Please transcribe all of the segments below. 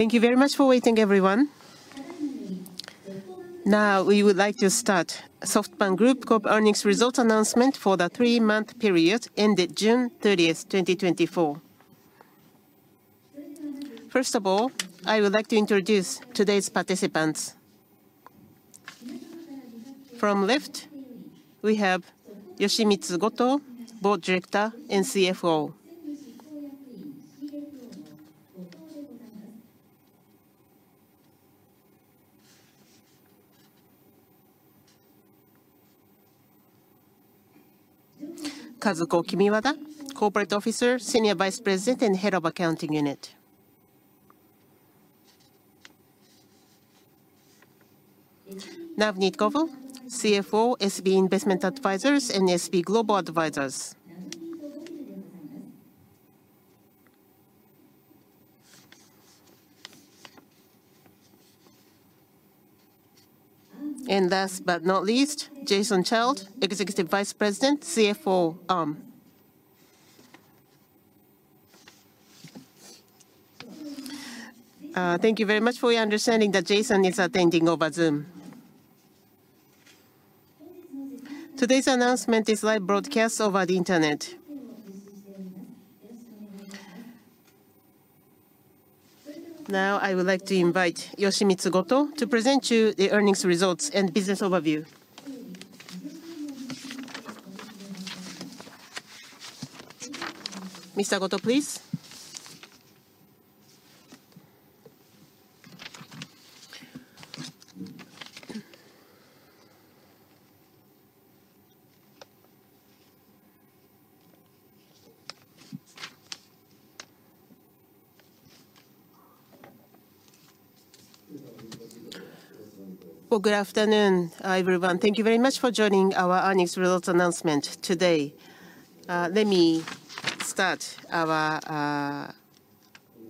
Thank you very much for waiting, everyone. Now, we would like to start SoftBank Group Corp. earnings results announcement for the three-month period ended June 30, 2024. First of all, I would like to introduce today's participants. From left, we have Yoshimitsu Goto, Board Director and CFO. Kazuko Kimiwada, Corporate Officer, Senior Vice President, and Head of Accounting Unit. Navneet Govil, CFO, SB Investment Advisers and SB Global Advisers. And last but not least, Jason Child, Executive Vice President, CFO Arm. Thank you very much for your understanding that Jason is attending over Zoom. Today's announcement is live broadcast over the Internet. Now, I would like to invite Yoshimitsu Goto to present you the earnings results and business overview. Mr. Goto, please. Good afternoon, everyone. Thank you very much for joining our earnings results announcement today. Let me start our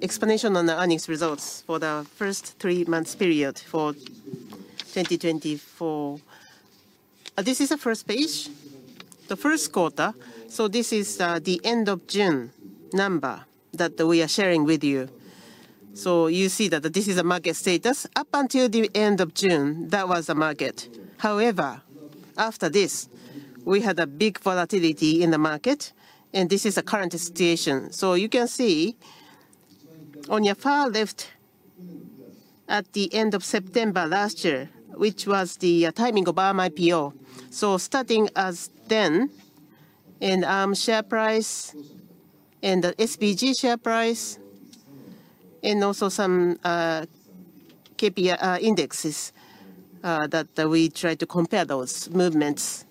explanation on the earnings results for the first three-month period for 2024. This is the first page, the first quarter. So this is the end-of-June number that we are sharing with you. So you see that this is a market status. Up until the end of June, that was a market. However, after this, we had a big volatility in the market, and this is the current situation. So you can see on your far left at the end of September last year, which was the timing of Arm IPO. So starting as then, and Arm share price, and the SBG share price, and also some KPI indexes that we tried to compare those movements.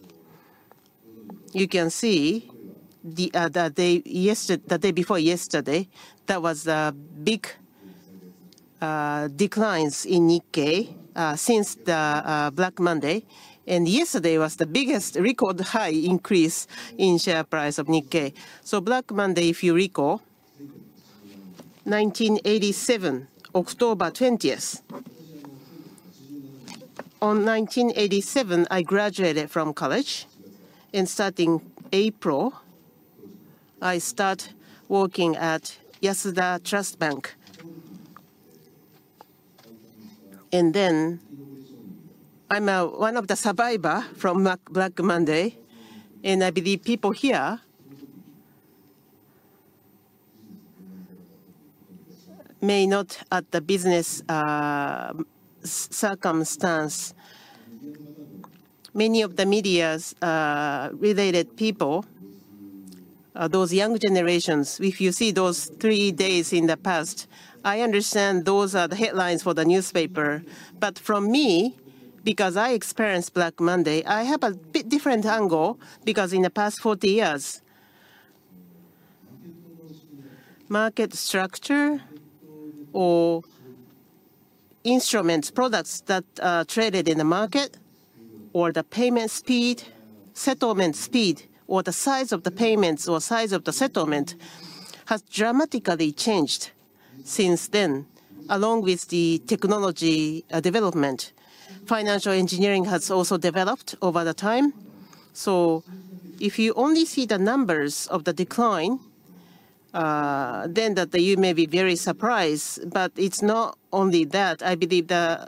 You can see that the day before yesterday, that was a big decline in Nikkei since the Black Monday. Yesterday was the biggest record high increase in share price of Nikkei. Black Monday, if you recall, 1987, October 20. In 1987, I graduated from college, and starting April, I started working at Yasuda Trust Bank. Then I'm one of the survivors from Black Monday, and I believe people here may not, at the business circumstance, many of the media's related people, those young generations, if you see those three days in the past, I understand those are the headlines for the newspaper. But for me, because I experienced Black Monday, I have a bit different angle because in the past 40 years, market structure or instruments, products that traded in the market, or the payment speed, settlement speed, or the size of the payments or size of the settlement has dramatically changed since then, along with the technology development. Financial engineering has also developed over the time. So if you only see the numbers of the decline, then you may be very surprised. But it's not only that. I believe there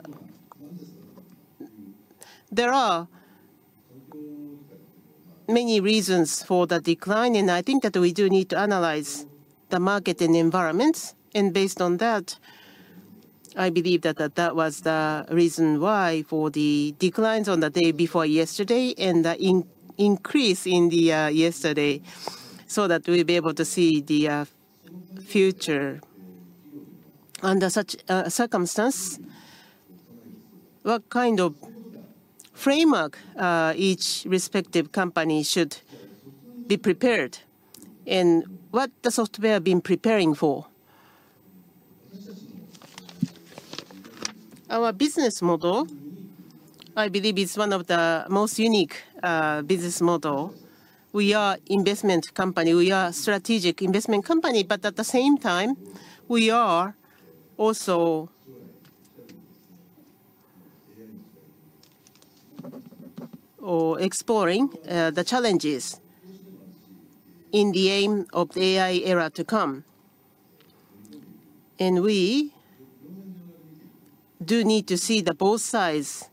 are many reasons for the decline, and I think that we do need to analyze the market and environment. And based on that, I believe that that was the reason why for the declines on the day before yesterday and the increase in the yesterday, so that we'll be able to see the future. Under such circumstances, what kind of framework each respective company should be prepared, and what the software has been preparing for? Our business model, I believe, is one of the most unique business models. We are an investment company. We are a strategic investment company, but at the same time, we are also exploring the challenges in the aim of the AI era to come. And we do need to see both sides.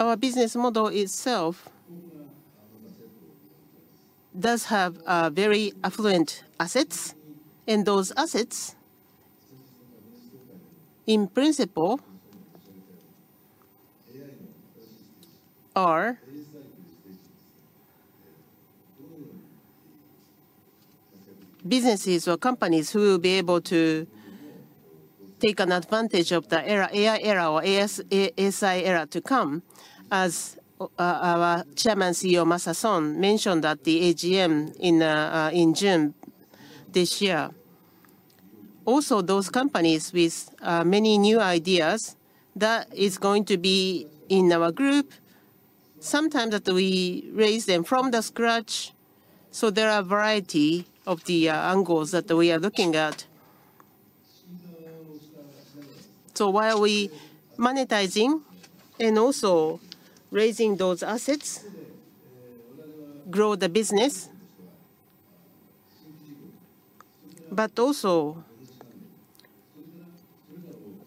Our business model itself does have very affluent assets, and those assets, in principle, are businesses or companies who will be able to take advantage of the AI era or ASI era to come, as our Chairman CEO, Masayoshi Son, mentioned at the AGM in June this year. Also, those companies with many new ideas that are going to be in our group, sometimes we raise them from scratch. So there are a variety of angles that we are looking at. So while we are monetizing and also raising those assets, grow the business, but also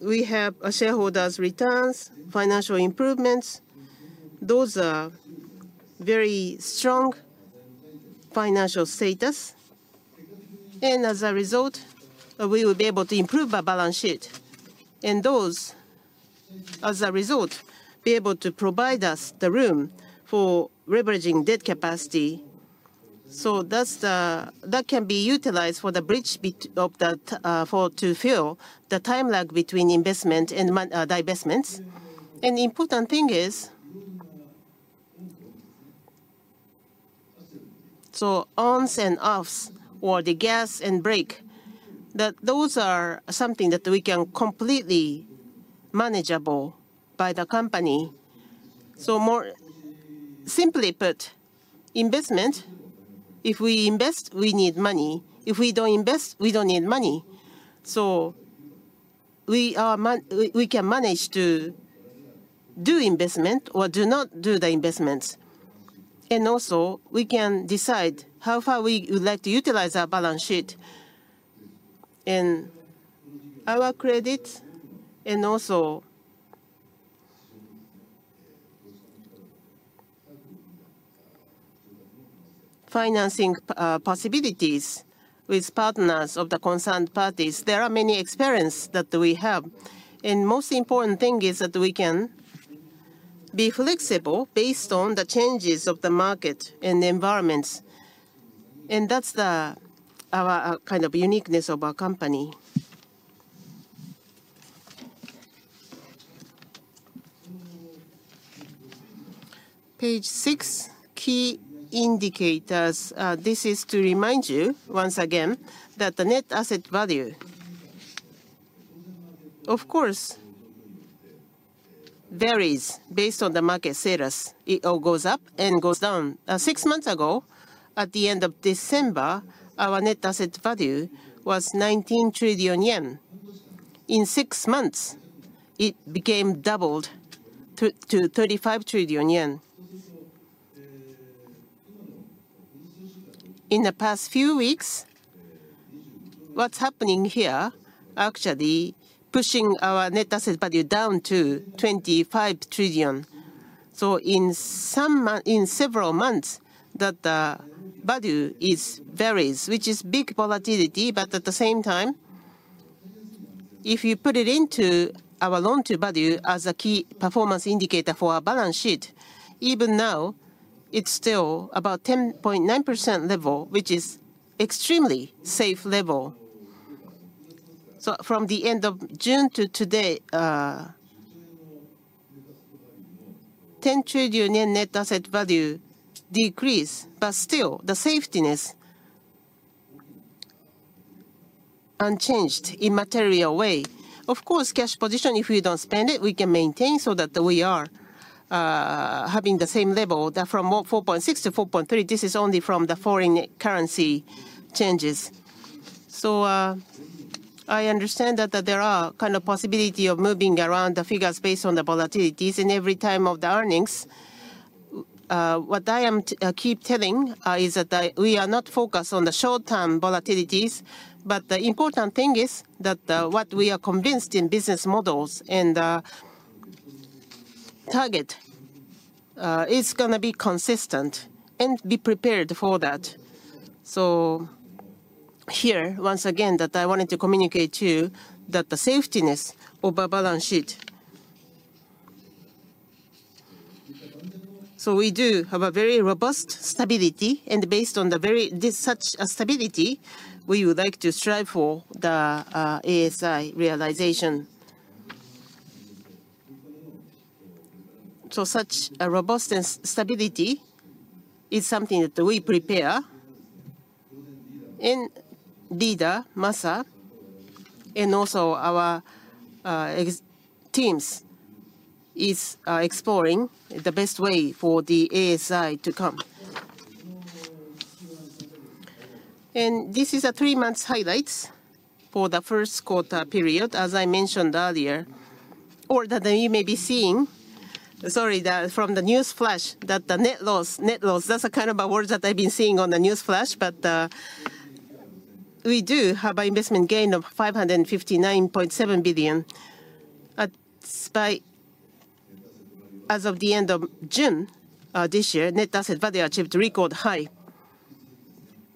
we have shareholders' returns, financial improvements. Those are very strong financial status. And as a result, we will be able to improve our balance sheet. And those, as a result, will be able to provide us the room for leveraging debt capacity. So that can be utilized for the bridge to fill the time lag between investment and divestments. And the important thing is, so ons and offs, or the gas and brake, that those are something that we can completely manage by the company. So more simply put, investment, if we invest, we need money. If we don't invest, we don't need money. So we can manage to do investment or do not do the investments. Also, we can decide how far we would like to utilize our balance sheet and our credit and also financing possibilities with partners of the concerned parties. There are many experiences that we have. The most important thing is that we can be flexible based on the changes of the market and the environments. That's our kind of uniqueness of our company. Page 6, key indicators. This is to remind you once again that the net asset value, of course, varies based on the market status. It goes up and goes down. Six months ago, at the end of December, our net asset value was 19 trillion yen. In six months, it became doubled to 35 trillion yen. In the past few weeks, what's happening here actually is pushing our net asset value down to 25 trillion. So in several months, that value varies, which is big volatility. But at the same time, if you put it into our long-term value as a key performance indicator for our balance sheet, even now, it's still about 10.9% level, which is an extremely safe level. So from the end of June to today, 10 trillion net asset value decreased, but still, the safety is unchanged in a material way. Of course, cash position, if we don't spend it, we can maintain so that we are having the same level from 4.6 trillion to 4.3 trillion. This is only from the foreign currency changes. So I understand that there are kind of possibilities of moving around the figures based on the volatilities and every time of the earnings. What I keep telling is that we are not focused on the short-term volatilities, but the important thing is that what we are convinced in business models and target is going to be consistent and be prepared for that. So here, once again, that I wanted to communicate to you that the safety is over balance sheet. So we do have a very robust stability, and based on such stability, we would like to strive for the ASI realization. So such robust and stability is something that we prepare, and leader, Masayoshi, and also our teams are exploring the best way for the ASI to come. This is a three-month highlight for the first quarter period, as I mentioned earlier, or that you may be seeing, sorry, from the news flash, that the net loss, net loss, that's a kind of a word that I've been seeing on the news flash, but we do have an investment gain of 559.7 billion. As of the end of June this year, net asset value achieved a record high.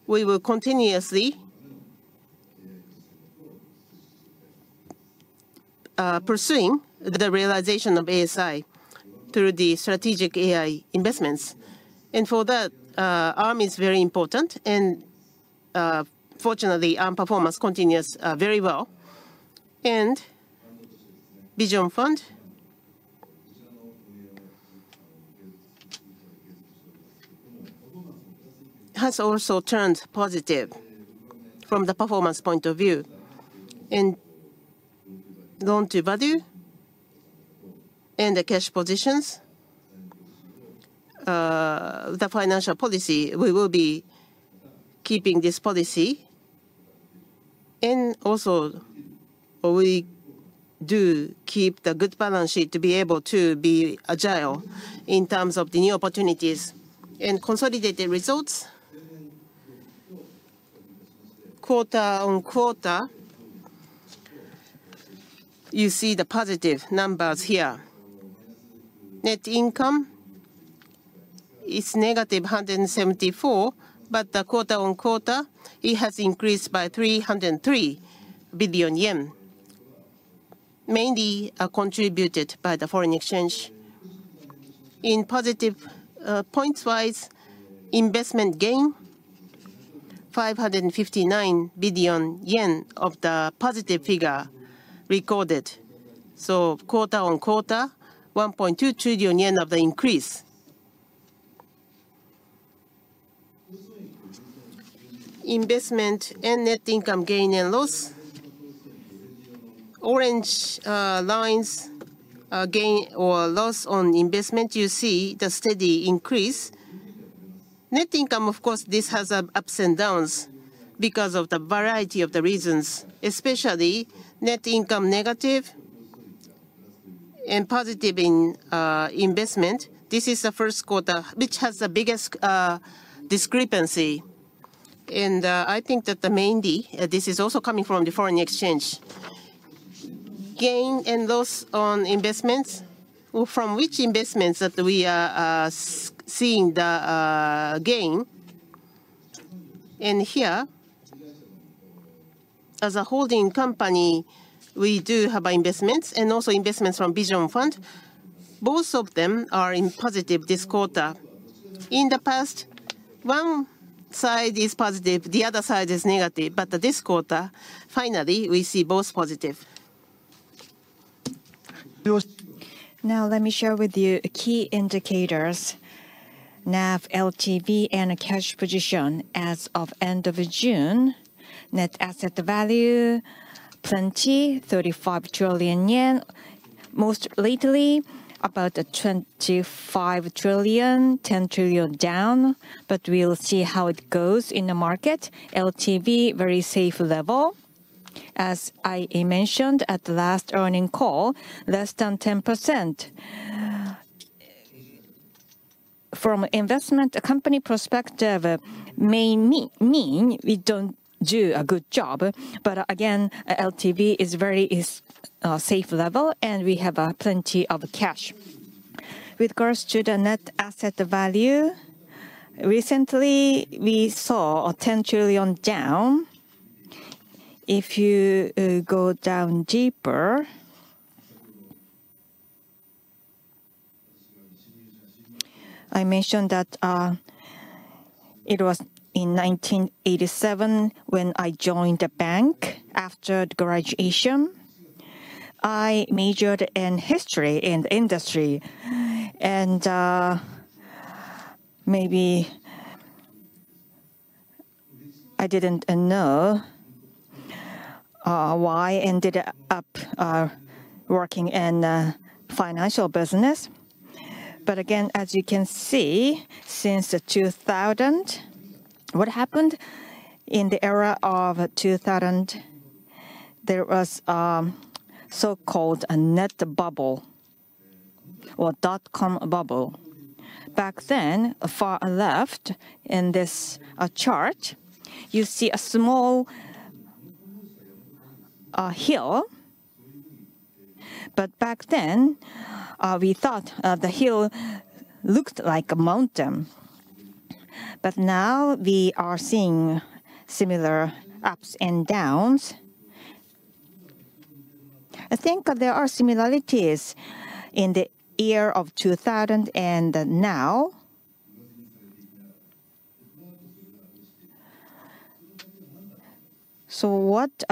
We will continuously pursue the realization of ASI through the strategic AI investments. And for that, Arm is very important, and fortunately, Arm performance continues very well. And Vision Fund has also turned positive from the performance point of view. And long-term value and the cash positions, the financial policy, we will be keeping this policy. And also, we do keep the good balance sheet to be able to be agile in terms of the new opportunities. And consolidated results, quarter-over-quarter, you see the positive numbers here. Net income is -174 billion JPY, but quarter-over-quarter, it has increased by 303 billion yen, mainly contributed by the foreign exchange. In positive points wise, investment gain, 559 billion yen of the positive figure recorded. So quarter-over-quarter, JPY 1.2 trillion of the increase. Investment and net income gain and loss, orange lines, gain or loss on investment, you see the steady increase. Net income, of course, this has ups and downs because of the variety of the reasons, especially net income negative and positive in investment. This is the first quarter, which has the biggest discrepancy. And I think that mainly, this is also coming from the foreign exchange. Gain and loss on investments, from which investments that we are seeing the gain. Here, as a holding company, we do have investments and also investments from Vision Fund. Both of them are in positive this quarter. In the past, one side is positive, the other side is negative. But this quarter, finally, we see both positive. Now, let me share with you key indicators, NAV, LTV, and cash position as of end of June. Net asset value, plenty, 35 trillion yen. Most lately, about 25 trillion, 10 trillion down, but we'll see how it goes in the market. LTV, very safe level. As I mentioned at the last earnings call, less than 10%. From an investment company perspective, may mean we don't do a good job, but again, LTV is very safe level and we have plenty of cash. With regards to the net asset value, recently we saw 10 trillion down. If you go down deeper, I mentioned that it was in 1987 when I joined the bank after graduation. I majored in history and industry, and maybe I didn't know why I ended up working in the financial business. But again, as you can see, since 2000, what happened in the era of 2000, there was a so-called net bubble or dot-com bubble. Back then, far left in this chart, you see a small hill. But back then, we thought the hill looked like a mountain. But now we are seeing similar ups and downs. I think there are similarities in the year of 2000 and now. So what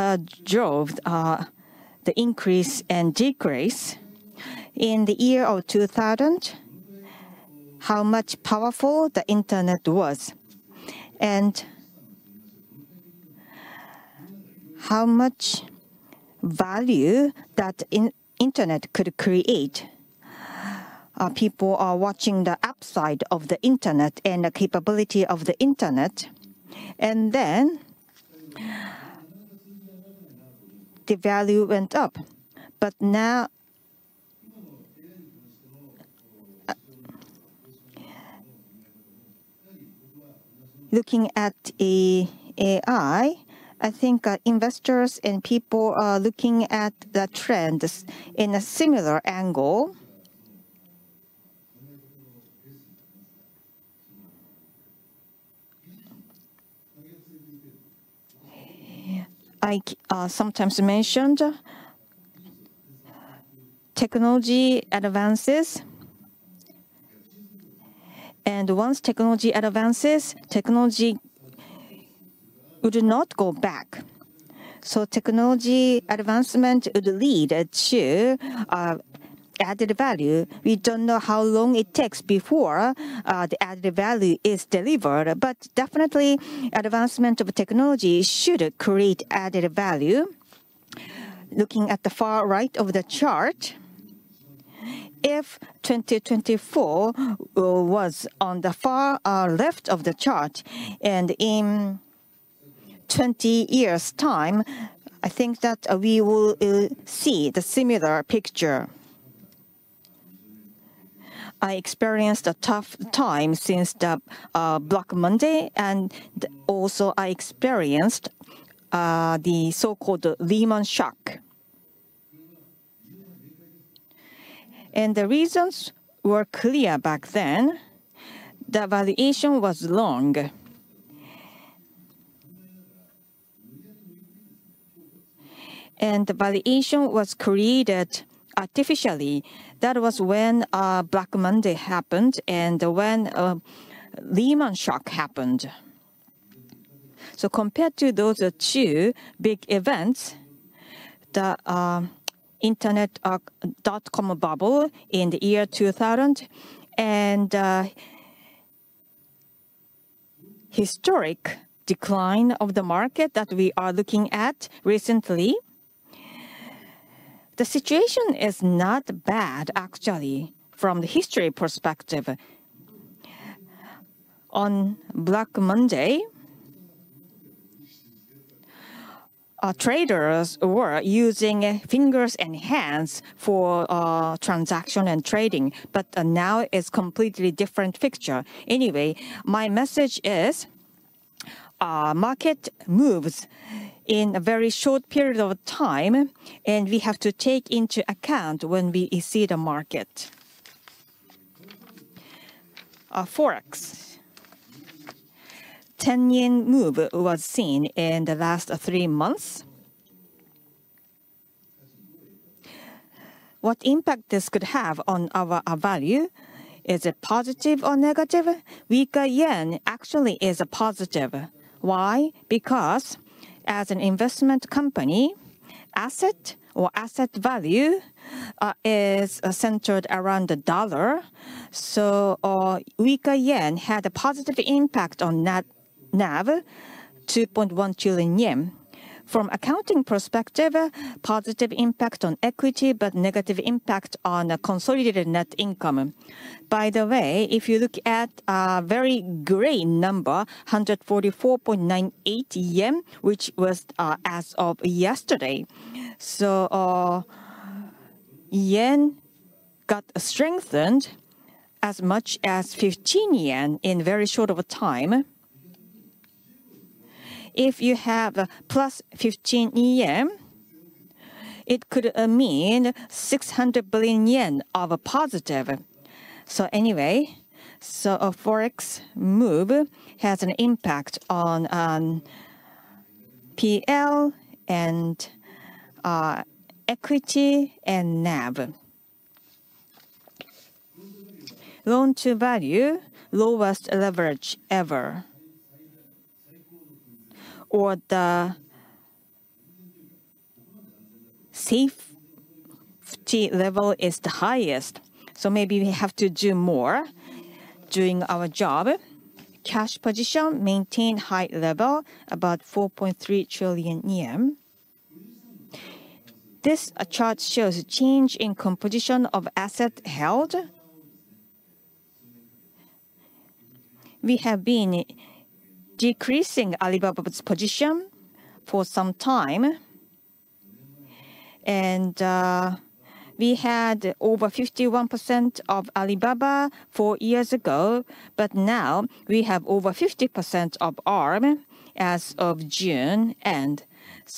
drove the increase and decrease in the year of 2000? How much powerful the internet was and how much value that internet could create. People are watching the upside of the internet and the capability of the internet. And then the value went up. But now, looking at AI, I think investors and people are looking at the trends in a similar angle. I sometimes mentioned technology advances. And once technology advances, technology would not go back. So technology advancement would lead to added value. We don't know how long it takes before the added value is delivered, but definitely, advancement of technology should create added value. Looking at the far right of the chart, if 2024 was on the far left of the chart, and in 20 years' time, I think that we will see the similar picture. I experienced a tough time since the Black Monday, and also I experienced the so-called Lehman Shock. And the reasons were clear back then. The valuation was long, and the valuation was created artificially. That was when Black Monday happened and when Lehman Shock happened. Compared to those two big events, the internet dot-com bubble in the year 2000 and the historic decline of the market that we are looking at recently, the situation is not bad, actually, from the history perspective. On Black Monday, traders were using fingers and hands for transaction and trading, but now it's a completely different picture. Anyway, my message is market moves in a very short period of time, and we have to take into account when we see the market. Forex, JPY 10 move was seen in the last 3 months. What impact this could have on our value is positive or negative. Weaker yen actually is a positive. Why? Because as an investment company, asset or asset value is centered around the dollar. So weaker yen had a positive impact on NAV, 2.1 trillion yen. From accounting perspective, positive impact on equity, but negative impact on consolidated net income. By the way, if you look at a very gray number, 144.98 yen, which was as of yesterday. So yen got strengthened as much as 15 yen in very short of a time. If you have plus 15 yen, it could mean 600 billion yen of a positive. So anyway, so a forex move has an impact on PL and equity and NAV. Long-term value, lowest leverage ever. Or the safety level is the highest. So maybe we have to do more during our job. Cash position, maintain high level, about 4.3 trillion yen. This chart shows a change in composition of asset held. We have been decreasing Alibaba's position for some time, and we had over 51% of Alibaba four years ago, but now we have over 50% of Arm as of June.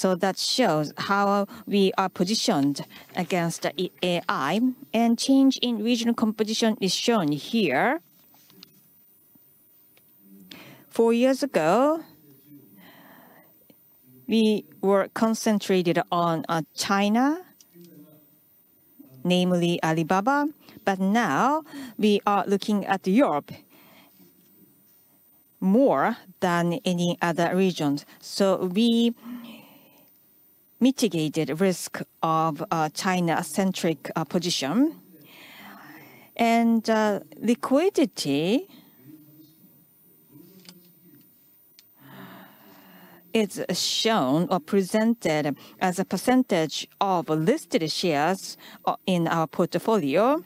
That shows how we are positioned against AI, and change in regional composition is shown here. Four years ago, we were concentrated on China, namely Alibaba, but now we are looking at Europe more than any other region. We mitigated risk of China-centric position. Liquidity is shown or presented as a percentage of listed shares in our portfolio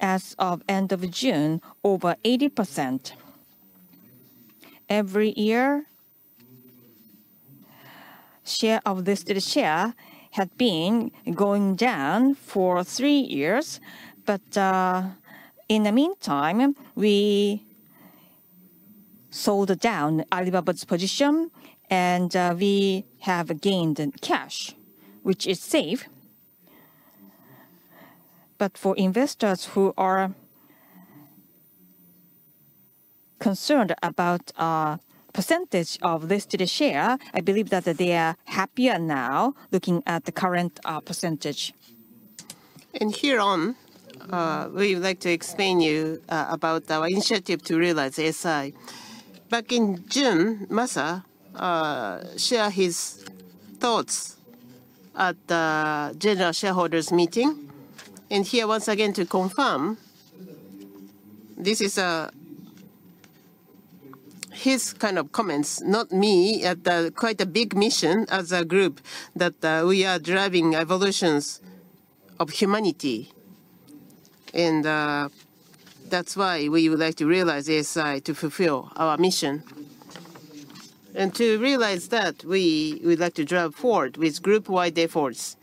as of end of June, over 80%. Every year, share of listed share had been going down for three years, but in the meantime, we sold down Alibaba's position, and we have gained cash, which is safe. But for investors who are concerned about a percentage of listed share, I believe that they are happier now looking at the current percentage. Here on, we would like to explain to you about our initiative to realize ASI. Back in June, Masa shared his thoughts at the general shareholders meeting. Here, once again, to confirm, this is his kind of comments, not me, at quite a big mission as a group that we are driving evolutions of humanity. That's why we would like to realize ASI to fulfill our mission. To realize that, we would like to drive forward with group-wide efforts.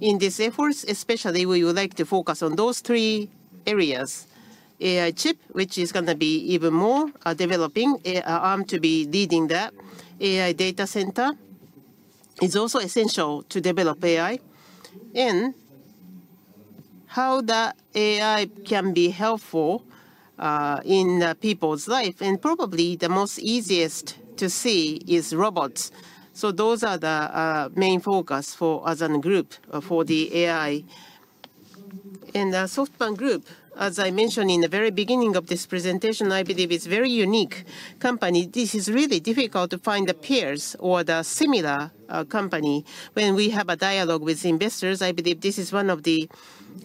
In this effort, especially, we would like to focus on those three areas. AI chip, which is going to be even more developing, Arm to be leading that, AI data center is also essential to develop AI, and how the AI can be helpful in people's life. Probably the most easiest to see is robots. Those are the main focus for us and the group for the AI. The SoftBank Group, as I mentioned in the very beginning of this presentation, I believe it's a very unique company. This is really difficult to find the peers or the similar company when we have a dialogue with investors. I believe this is one of the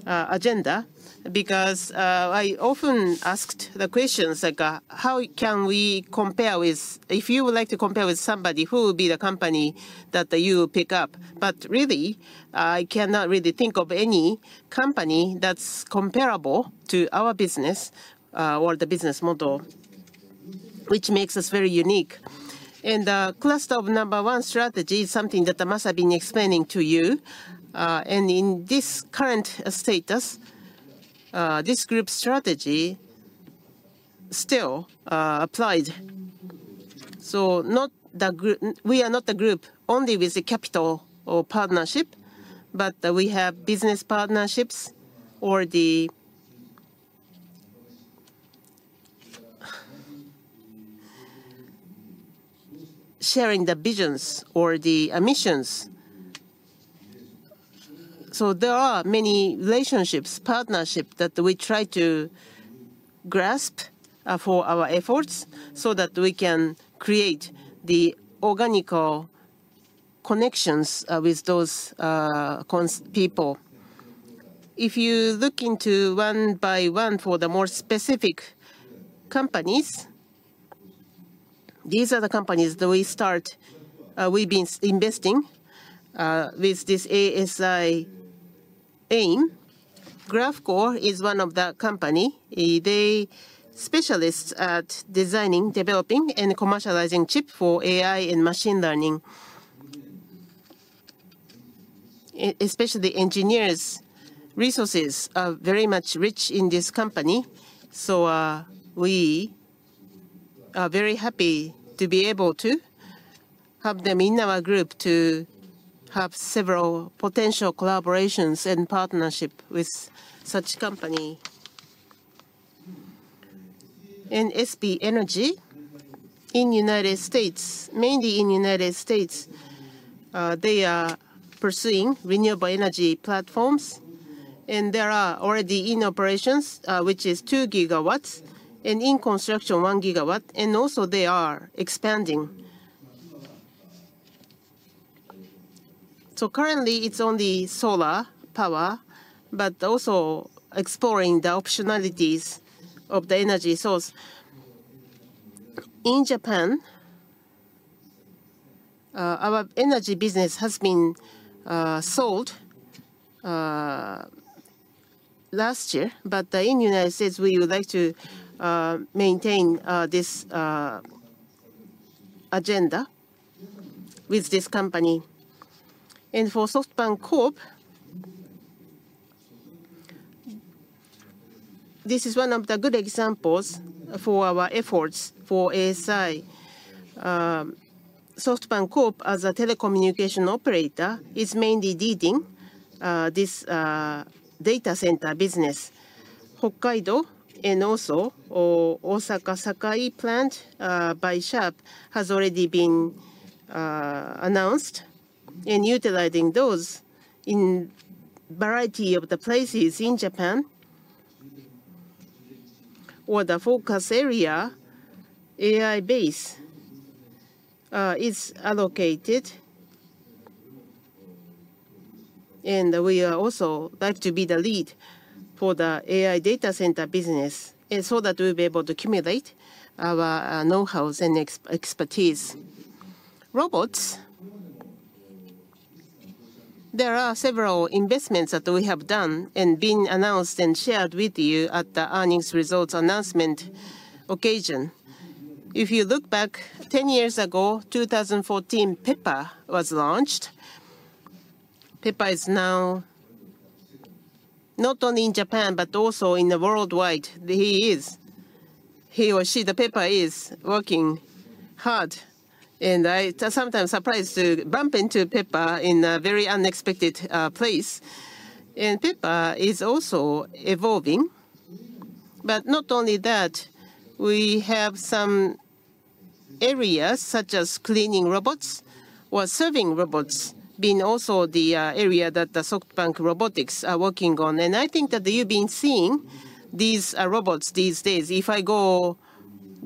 agendas because I often asked the questions like, how can we compare with, if you would like to compare with somebody, who would be the company that you pick up? But really, I cannot really think of any company that's comparable to our business or the business model, which makes us very unique. And the cluster of number one strategy is something that I must have been explaining to you. In this current status, this group strategy still applies. So we are not a group only with the capital partnership, but we have business partnerships or the sharing the visions or the ambitions. So there are many relationships, partnerships that we try to grasp for our efforts so that we can create the organic connections with those people. If you look into one by one for the more specific companies, these are the companies that we start, we've been investing with this ASI aim. Graphcore is one of the companies. They specialize in designing, developing, and commercializing chips for AI and machine learning. Especially engineers' resources are very much rich in this company. So we are very happy to be able to have them in our group to have several potential collaborations and partnerships with such companies. SB Energy in the United States, mainly in the United States, they are pursuing renewable energy platforms, and there are already in operations, which is 2 GW, and in construction, 1 GW. Also, they are expanding. So currently, it's only solar power, but also exploring the optionalities of the energy source. In Japan, our energy business has been sold last year, but in the United States, we would like to maintain this agenda with this company. And for SoftBank Corp., this is one of the good examples for our efforts for ASI. SoftBank Corp., as a telecommunication operator, is mainly leading this data center business. Hokkaido and also Osaka Sakai Plant by Sharp has already been announced and utilizing those in a variety of the places in Japan. Our focus area, AI-based, is allocated, and we also like to be the lead for the AI data center business so that we'll be able to accumulate our know-hows and expertise. Robots, there are several investments that we have done and been announced and shared with you at the earnings results announcement occasion. If you look back 10 years ago, 2014, Pepper was launched. Pepper is now not only in Japan, but also worldwide. He or she, the Pepper is working hard. I sometimes am surprised to bump into Pepper in a very unexpected place. Pepper is also evolving. But not only that, we have some areas such as cleaning robots or serving robots being also the area that the SoftBank Robotics are working on. I think that you've been seeing these robots these days. If I go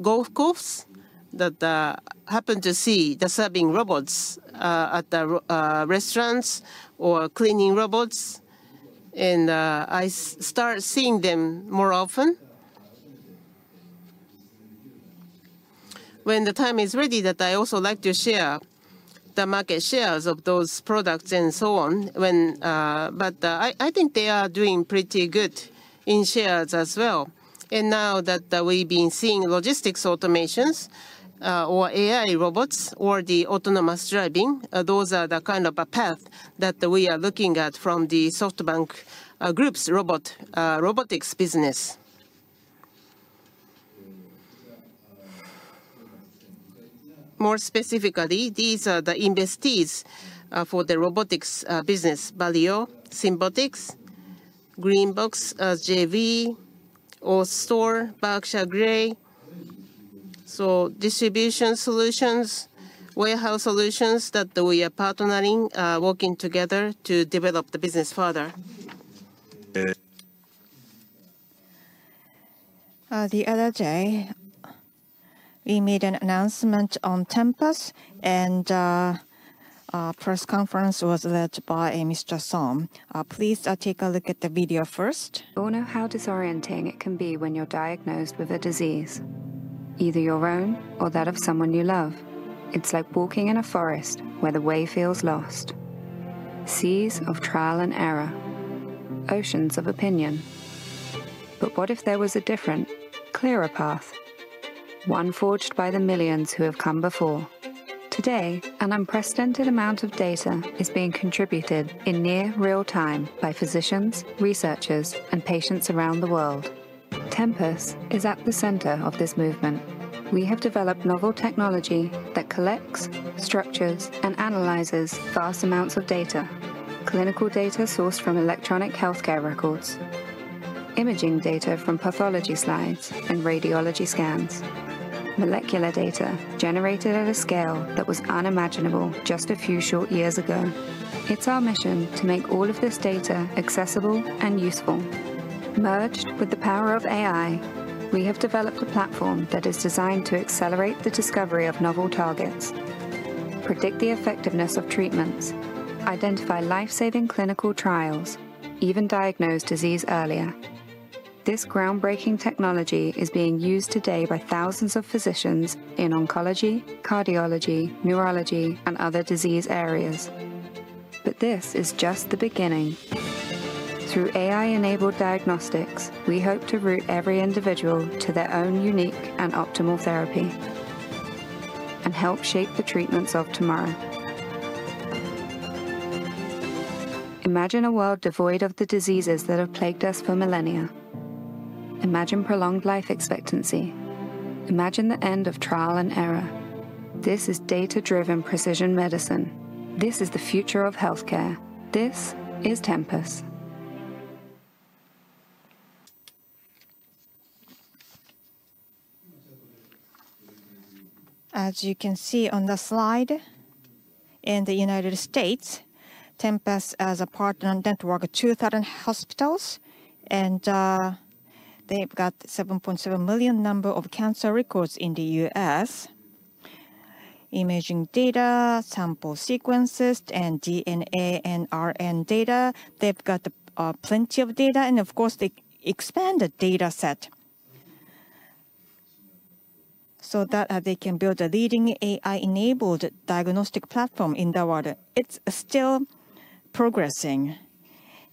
golf course, that I happen to see the serving robots at the restaurants or cleaning robots, and I start seeing them more often. When the time is ready, I also like to share the market shares of those products and so on. But I think they are doing pretty good in shares as well. And now that we've been seeing logistics automations or AI robots or the autonomous driving, those are the kind of paths that we are looking at from the SoftBank Group's robotics business. More specifically, these are the investees for the robotics business: Balyo, Symbotic, GreenBox, JV, AutoStore, Berkshire Grey. So distribution solutions, warehouse solutions that we are partnering, working together to develop the business further. The other day, we made an announcement on Tempus, and the press conference was led by Mr. Son. Please take a look at the video first. Don't know how disorienting it can be when you're diagnosed with a disease, either your own or that of someone you love. It's like walking in a forest where the way feels lost. Seas of trial and error, oceans of opinion. But what if there was a different, clearer path, one forged by the millions who have come before? Today, an unprecedented amount of data is being contributed in near real time by physicians, researchers, and patients around the world. Tempus is at the center of this movement. We have developed novel technology that collects, structures, and analyzes vast amounts of data: clinical data sourced from electronic healthcare records, imaging data from pathology slides and radiology scans, molecular data generated at a scale that was unimaginable just a few short years ago. It's our mission to make all of this data accessible and useful. Merged with the power of AI, we have developed a platform that is designed to accelerate the discovery of novel targets, predict the effectiveness of treatments, identify life-saving clinical trials, even diagnose disease earlier. This groundbreaking technology is being used today by thousands of physicians in oncology, cardiology, neurology, and other disease areas. But this is just the beginning. Through AI-enabled diagnostics, we hope to route every individual to their own unique and optimal therapy and help shape the treatments of tomorrow. Imagine a world devoid of the diseases that have plagued us for millennia. Imagine prolonged life expectancy. Imagine the end of trial and error. This is data-driven precision medicine. This is the future of healthcare. This is Tempus. As you can see on the slide, in the United States, Tempus has a partner network of 2,000 hospitals, and they've got a 7.7 million number of cancer records in the US. Imaging data, sample sequences, and DNA and RNA data, they've got plenty of data, and of course, they expand the data set so that they can build a leading AI-enabled diagnostic platform in the world. It's still progressing,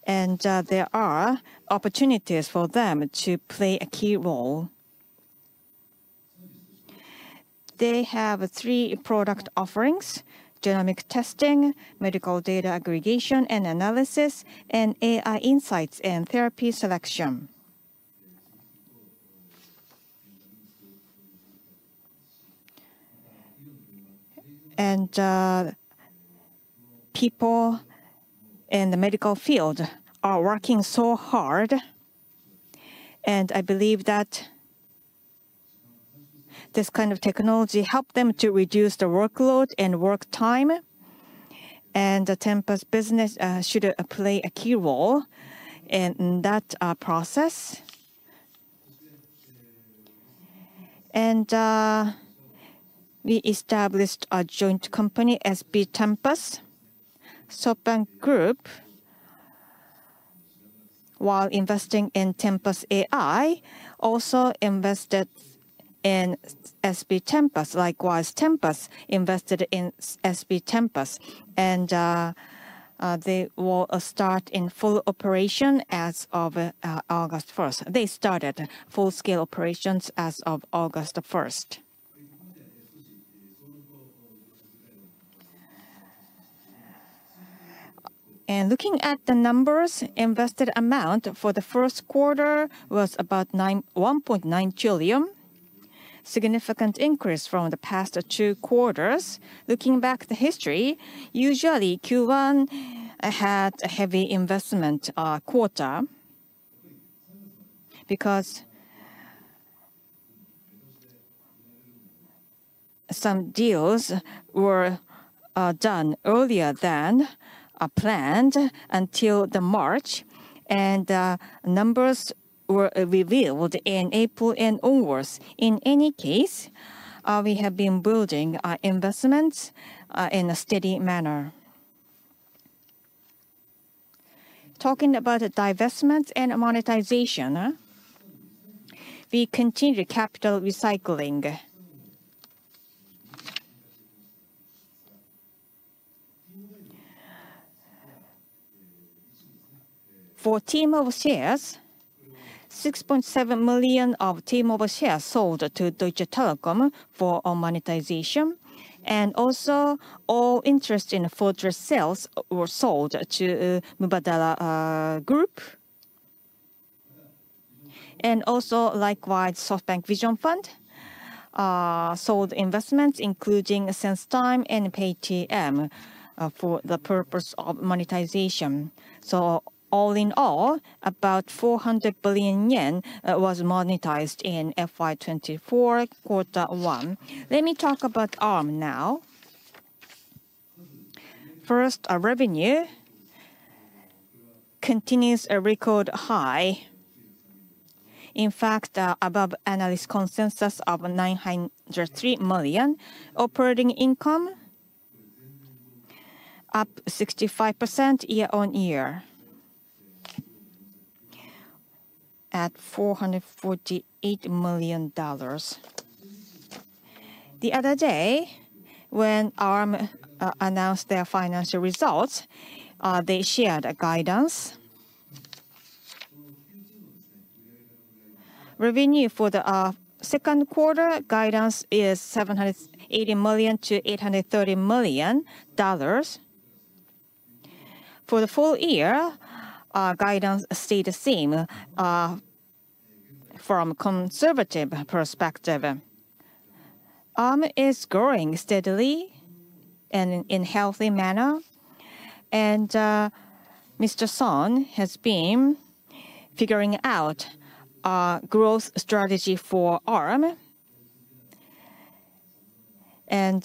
and there are opportunities for them to play a key role. They have three product offerings: genomic testing, medical data aggregation and analysis, and AI insights and therapy selection. People in the medical field are working so hard, and I believe that this kind of technology helps them to reduce the workload and work time. The Tempus business should play a key role in that process. We established a joint company, SB Tempus. SoftBank Group, while investing in Tempus AI, also invested in SB Tempus. Likewise, Tempus invested in SB Tempus, and they will start in full operation as of August 1st. They started full-scale operations as of August 1st. Looking at the numbers, the invested amount for the first quarter was about 1.9 trillion, a significant increase from the past two quarters. Looking back to history, usually Q1 had a heavy investment quarter because some deals were done earlier than planned until March, and numbers were revealed in April and onwards. In any case, we have been building our investments in a steady manner. Talking about divestment and monetization, we continue capital recycling. For T-Mobile shares, 6.7 million of T-Mobile shares sold to Deutsche Telekom for monetization. Also, all interest in Fortress sales were sold to Mubadala Group. And also, likewise, SoftBank Vision Fund sold investments, including SenseTime and Paytm, for the purpose of monetization. So all in all, about 400 billion yen was monetized in FY2024, quarter one. Let me talk about Arm now. First, our revenue continues a record high, in fact, above analyst consensus of $903 million. Operating income up 65% year-on-year at $448 million. The other day, when Arm announced their financial results, they shared guidance. Revenue for the second quarter guidance is $780 million-$830 million. For the full year, guidance stayed the same from a conservative perspective. Arm is growing steadily and in a healthy manner. And Mr. Son has been figuring out a growth strategy for Arm. And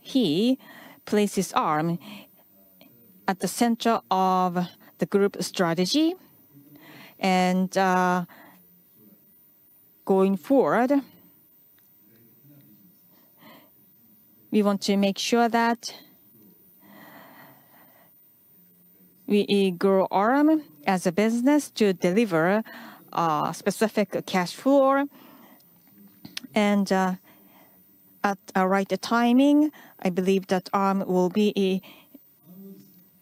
he places Arm at the center of the group strategy. Going forward, we want to make sure that we grow Arm as a business to deliver a specific cash flow. At the right timing, I believe that Arm will be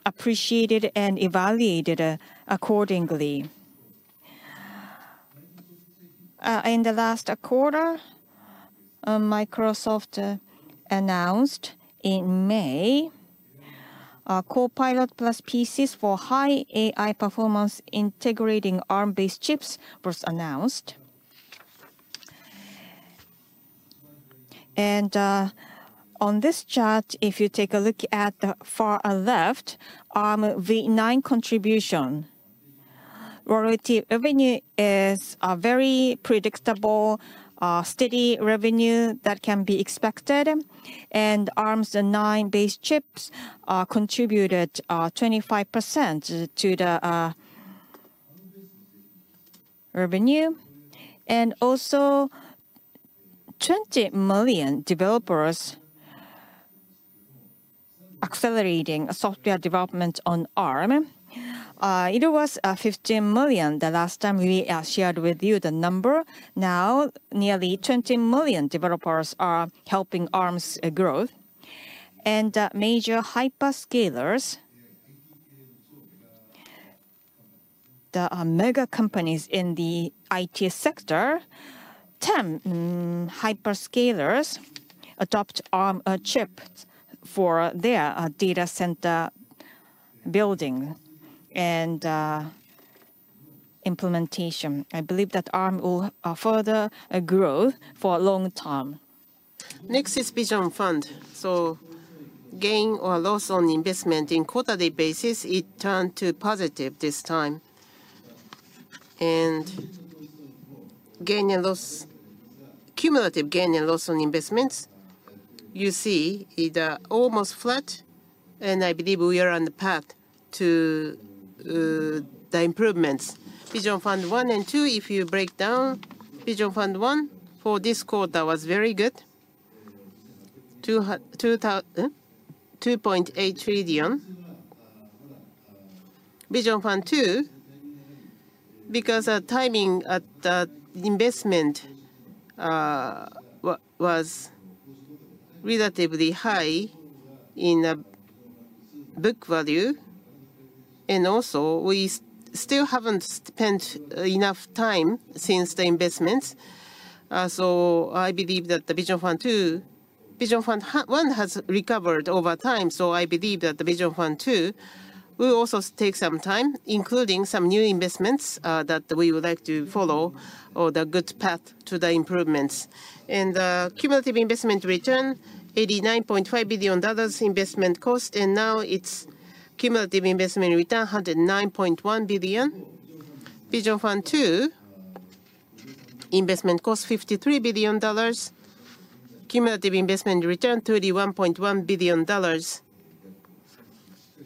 appreciated and evaluated accordingly. In the last quarter, Microsoft announced in May Copilot+ PCs for high AI performance integrating Arm-based chips were announced. On this chart, if you take a look at the far left, Armv9 contribution. Relative revenue is a very predictable, steady revenue that can be expected. Armv9-based chips contributed 25% to the revenue. Also, 20 million developers accelerating software development on Arm. It was 15 million the last time we shared with you the number. Now, nearly 20 million developers are helping Arm's growth. Major hyperscalers, the mega companies in the IT sector, 10 hyperscalers adopt Arm chips for their data center building and implementation. I believe that Arm will further grow for a long time. Next is Vision Fund. So gain or loss on investment in quarterly basis, it turned to positive this time. And gain and loss, cumulative gain and loss on investments, you see it's almost flat. And I believe we are on the path to the improvements. Vision Fund 1 and 2, if you break down Vision Fund 1 for this quarter, that was very good, 2.8 trillion. Vision Fund 2, because the timing at the investment was relatively high in book value. And also, we still haven't spent enough time since the investments. So I believe that the Vision Fund 2, Vision Fund 1 has recovered over time. So I believe that the Vision Fund 2 will also take some time, including some new investments that we would like to follow or the good path to the improvements. The cumulative investment return, $89.5 billion investment cost. Now it's cumulative investment return, $109.1 billion. Vision Fund 2, investment cost, $53 billion. Cumulative investment return, $31.1 billion.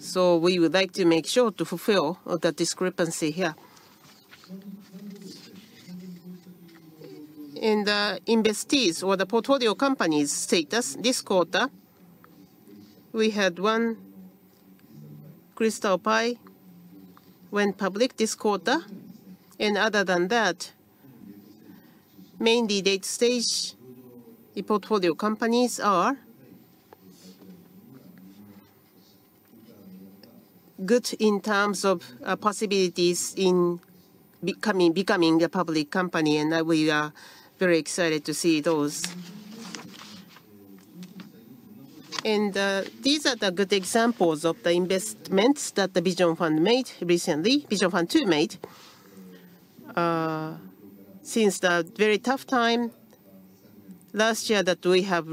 So we would like to make sure to fulfill the discrepancy here. The investees or the portfolio companies' status this quarter, we had one Tempus went public this quarter. Other than that, mainly late stage, the portfolio companies are good in terms of possibilities in becoming a public company. We are very excited to see those. These are the good examples of the investments that the Vision Fund made recently, Vision Fund 2 made. Since the very tough time last year that we have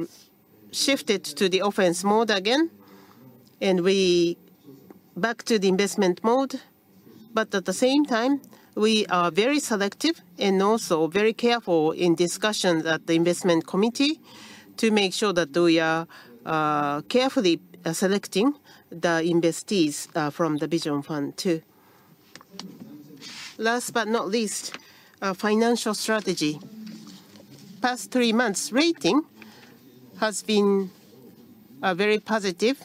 shifted to the offense mode again, and we are back to the investment mode. But at the same time, we are very selective and also very careful in discussions at the investment committee to make sure that we are carefully selecting the investees from the Vision Fund 2. Last but not least, financial strategy. Past three months, rating has been very positive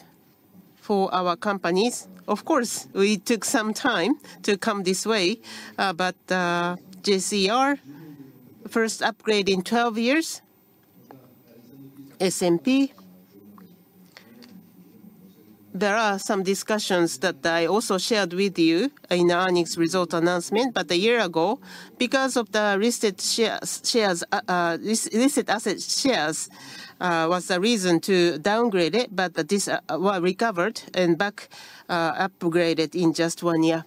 for our companies. Of course, we took some time to come this way. But JCR, first upgrade in 12 years, S&P. There are some discussions that I also shared with you in the earnings result announcement. But a year ago, because of the listed asset shares, was the reason to downgrade it. But this was recovered and back upgraded in just one year.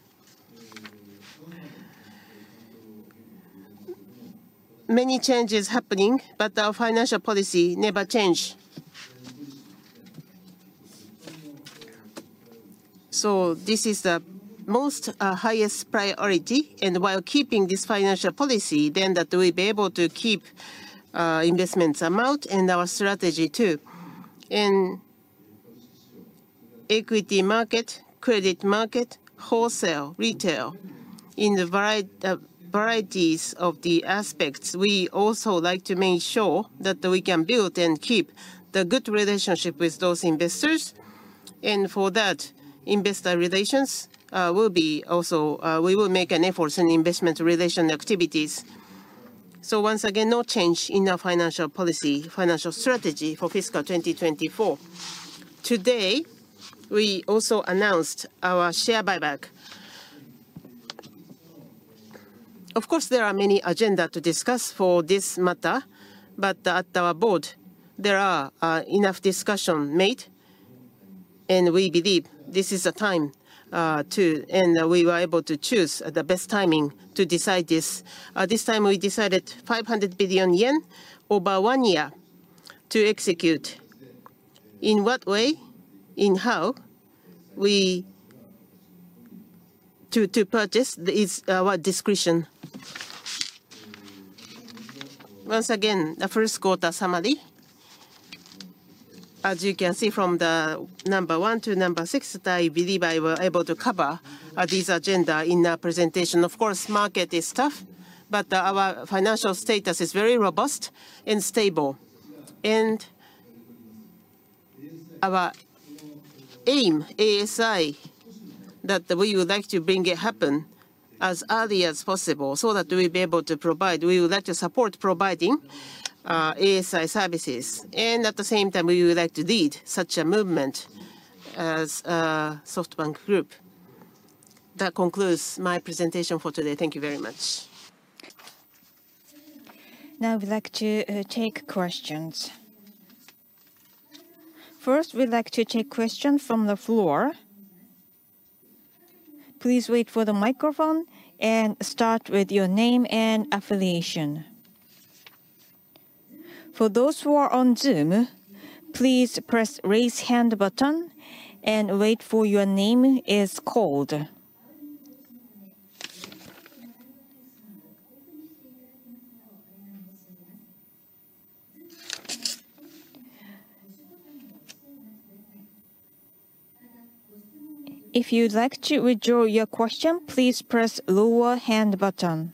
Many changes happening, but our financial policy never changed. So this is the most highest priority. And while keeping this financial policy, then that we'll be able to keep investments amount and our strategy too. Equity market, credit market, wholesale, retail, in the various aspects, we also like to make sure that we can build and keep the good relationship with those investors. For that, investor relations will also be [important]; we will make an effort in investor relations activities. So once again, no change in our financial policy, financial strategy for fiscal 2024. Today, we also announced our share buyback. Of course, there are many agendas to discuss for this matter. But at our board, there are enough discussions made. We believe this is a time to, and we were able to choose the best timing to decide this. This time, we decided 500 billion yen over one year to execute. In what way? In how? How we purchase is our discretion. Once again, the first quarter summary. As you can see from number 1 to number 6, I believe I was able to cover this agenda in our presentation. Of course, market is tough, but our financial status is very robust and stable. Our aim, ASI, that we would like to bring it happen as early as possible so that we'll be able to provide, we would like to support providing ASI services. At the same time, we would like to lead such a movement as SoftBank Group. That concludes my presentation for today. Thank you very much. Now we'd like to take questions. First, we'd like to take questions from the floor. Please wait for the microphone and start with your name and affiliation. For those who are on Zoom, please press the raise hand button and wait for your name to be called. If you'd like to withdraw your question, please press the lower hand button.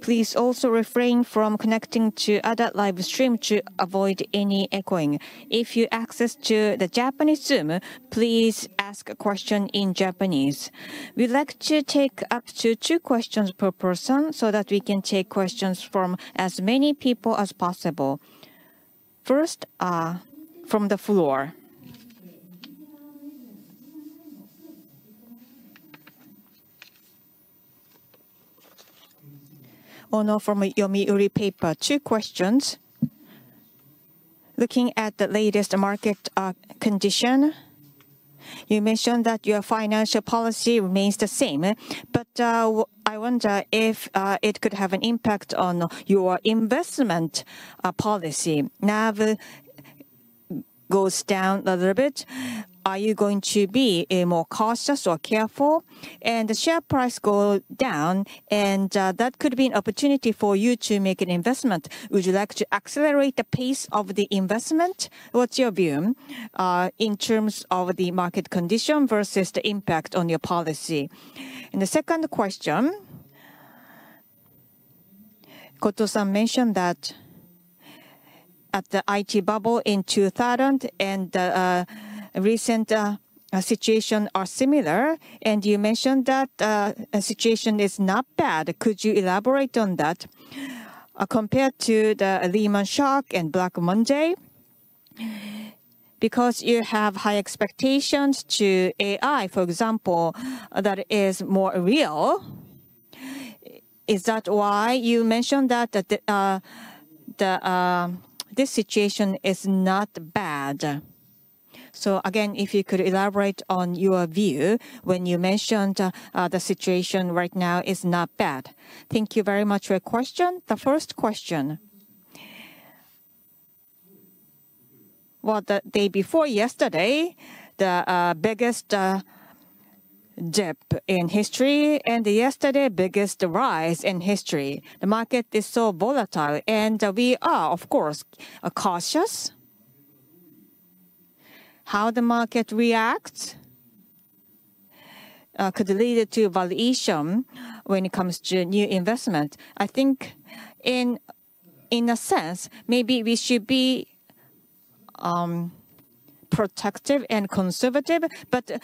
Please also refrain from connecting to other live streams to avoid any echoing. If you access the Japanese Zoom, please ask a question in Japanese. We'd like to take up to two questions per person so that we can take questions from as many people as possible. First, from the floor. Oh, no, from Yomiuri Shimbun, two questions. Looking at the latest market condition, you mentioned that your financial policy remains the same. But I wonder if it could have an impact on your investment policy. Now it goes down a little bit. Are you going to be more cautious or careful? And the share price goes down, and that could be an opportunity for you to make an investment. Would you like to accelerate the pace of the investment? What's your view in terms of the market condition versus the impact on your policy? And the second question, Goto-san mentioned that at the IT bubble in 2000 and the recent situation are similar. And you mentioned that the situation is not bad. Could you elaborate on that compared to the Lehman Shock and Black Monday? Because you have high expectations to AI, for example, that is more real. Is that why you mentioned that this situation is not bad? So again, if you could elaborate on your view when you mentioned the situation right now is not bad. Thank you very much for your question. The first question. Well, the day before yesterday, the biggest dip in history and yesterday, biggest rise in history. The market is so volatile. And we are, of course, cautious. How the market reacts could lead to valuation when it comes to new investment. I think in a sense, maybe we should be protective and conservative. But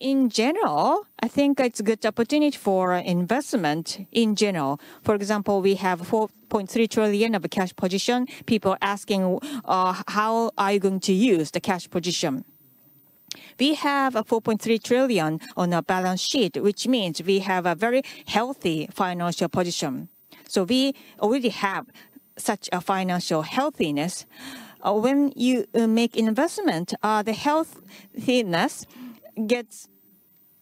in general, I think it's a good opportunity for investment in general. For example, we have 4.3 trillion of a cash position. People are asking, how are you going to use the cash position? We have 4.3 trillion on our balance sheet, which means we have a very healthy financial position. So we already have such a financial healthiness. When you make investment, the healthiness gets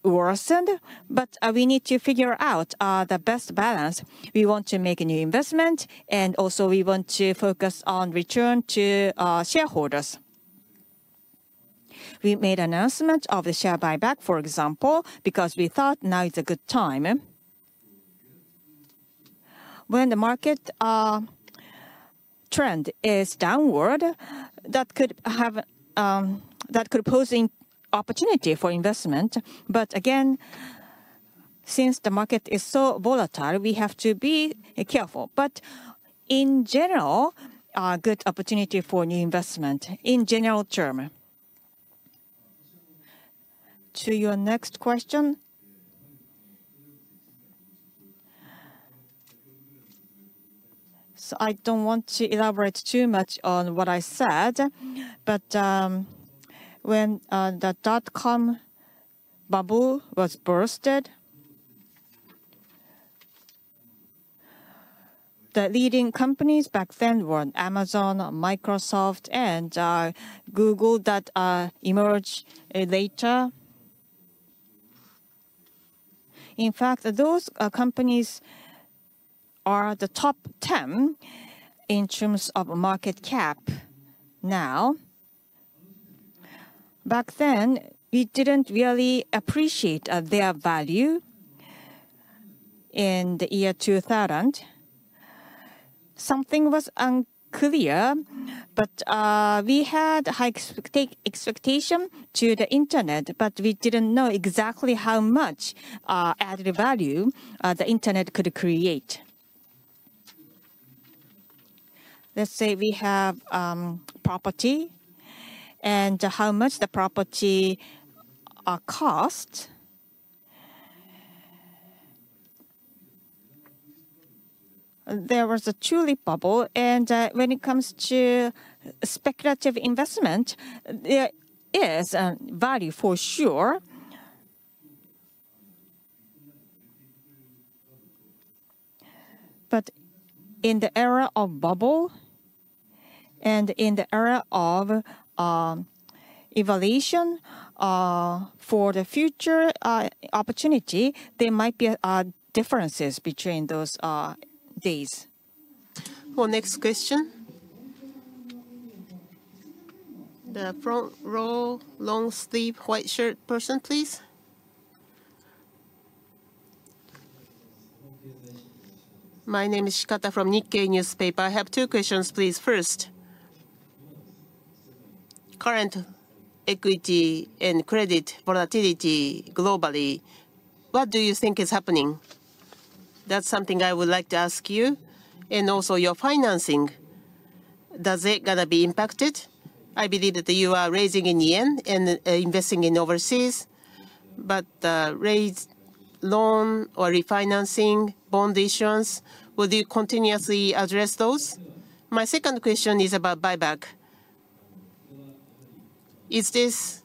worsened. But we need to figure out the best balance. We want to make a new investment. And also, we want to focus on return to shareholders. We made an announcement of the share buyback, for example, because we thought now is a good time. When the market trend is downward, that could pose an opportunity for investment. But again, since the market is so volatile, we have to be careful. But in general, a good opportunity for new investment in general term. To your next question. So I don't want to elaborate too much on what I said. But when the dot-com bubble was burst, the leading companies back then were Amazon, Microsoft, and Google that emerged later. In fact, those companies are the top 10 in terms of market cap now. Back then, we didn't really appreciate their value in the year 2000. Something was unclear. But we had high expectations to the internet. But we didn't know exactly how much added value the internet could create. Let's say we have property and how much the property cost. There was a truly bubble. And when it comes to speculative investment, there is value for sure. But in the era of bubble and in the era of evaluation for the future opportunity, there might be differences between those days. Well, next question. The front row, long sleeve, white shirt person, please. My name is Shikata from Nikkei. I have two questions, please. First, current equity and credit volatility globally, what do you think is happening? That's something I would like to ask you. And also your financing, does it get to be impacted? I believe that you are raising in yen and investing in overseas. But raise loan or refinancing, bond issuance, will you continuously address those? My second question is about buyback. Is this,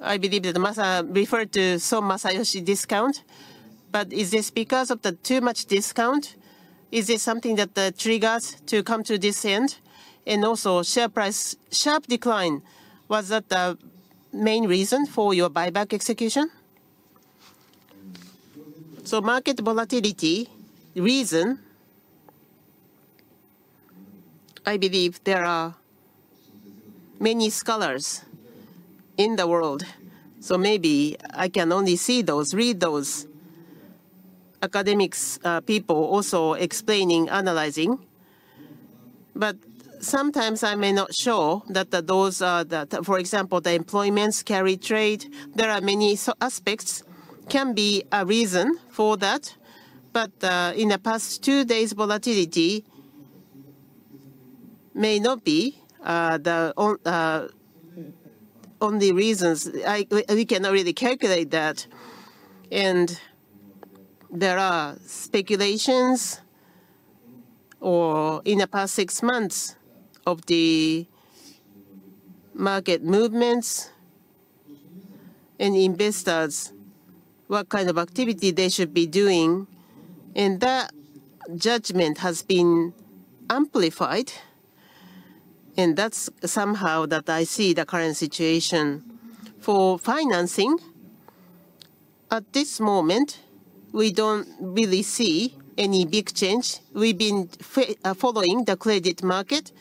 I believe that referred to some Masayoshi discount, but is this because of the too much discount? Is this something that triggers to come to this end? And also share price, sharp decline, was that the main reason for your buyback execution? So market volatility, reason. I believe there are many scholars in the world. So maybe I can only see those, read those academics, people also explaining, analyzing. But sometimes I may not show that those are, for example, the employments, carry trade. There are many aspects that can be a reason for that. But in the past two days, volatility may not be the only reasons. We can already calculate that. And there are speculations in the past six months of the market movements and investors, what kind of activity they should be doing. And that judgment has been amplified. And that's somehow that I see the current situation. For financing, at this moment, we don't really see any big change. We've been following the credit market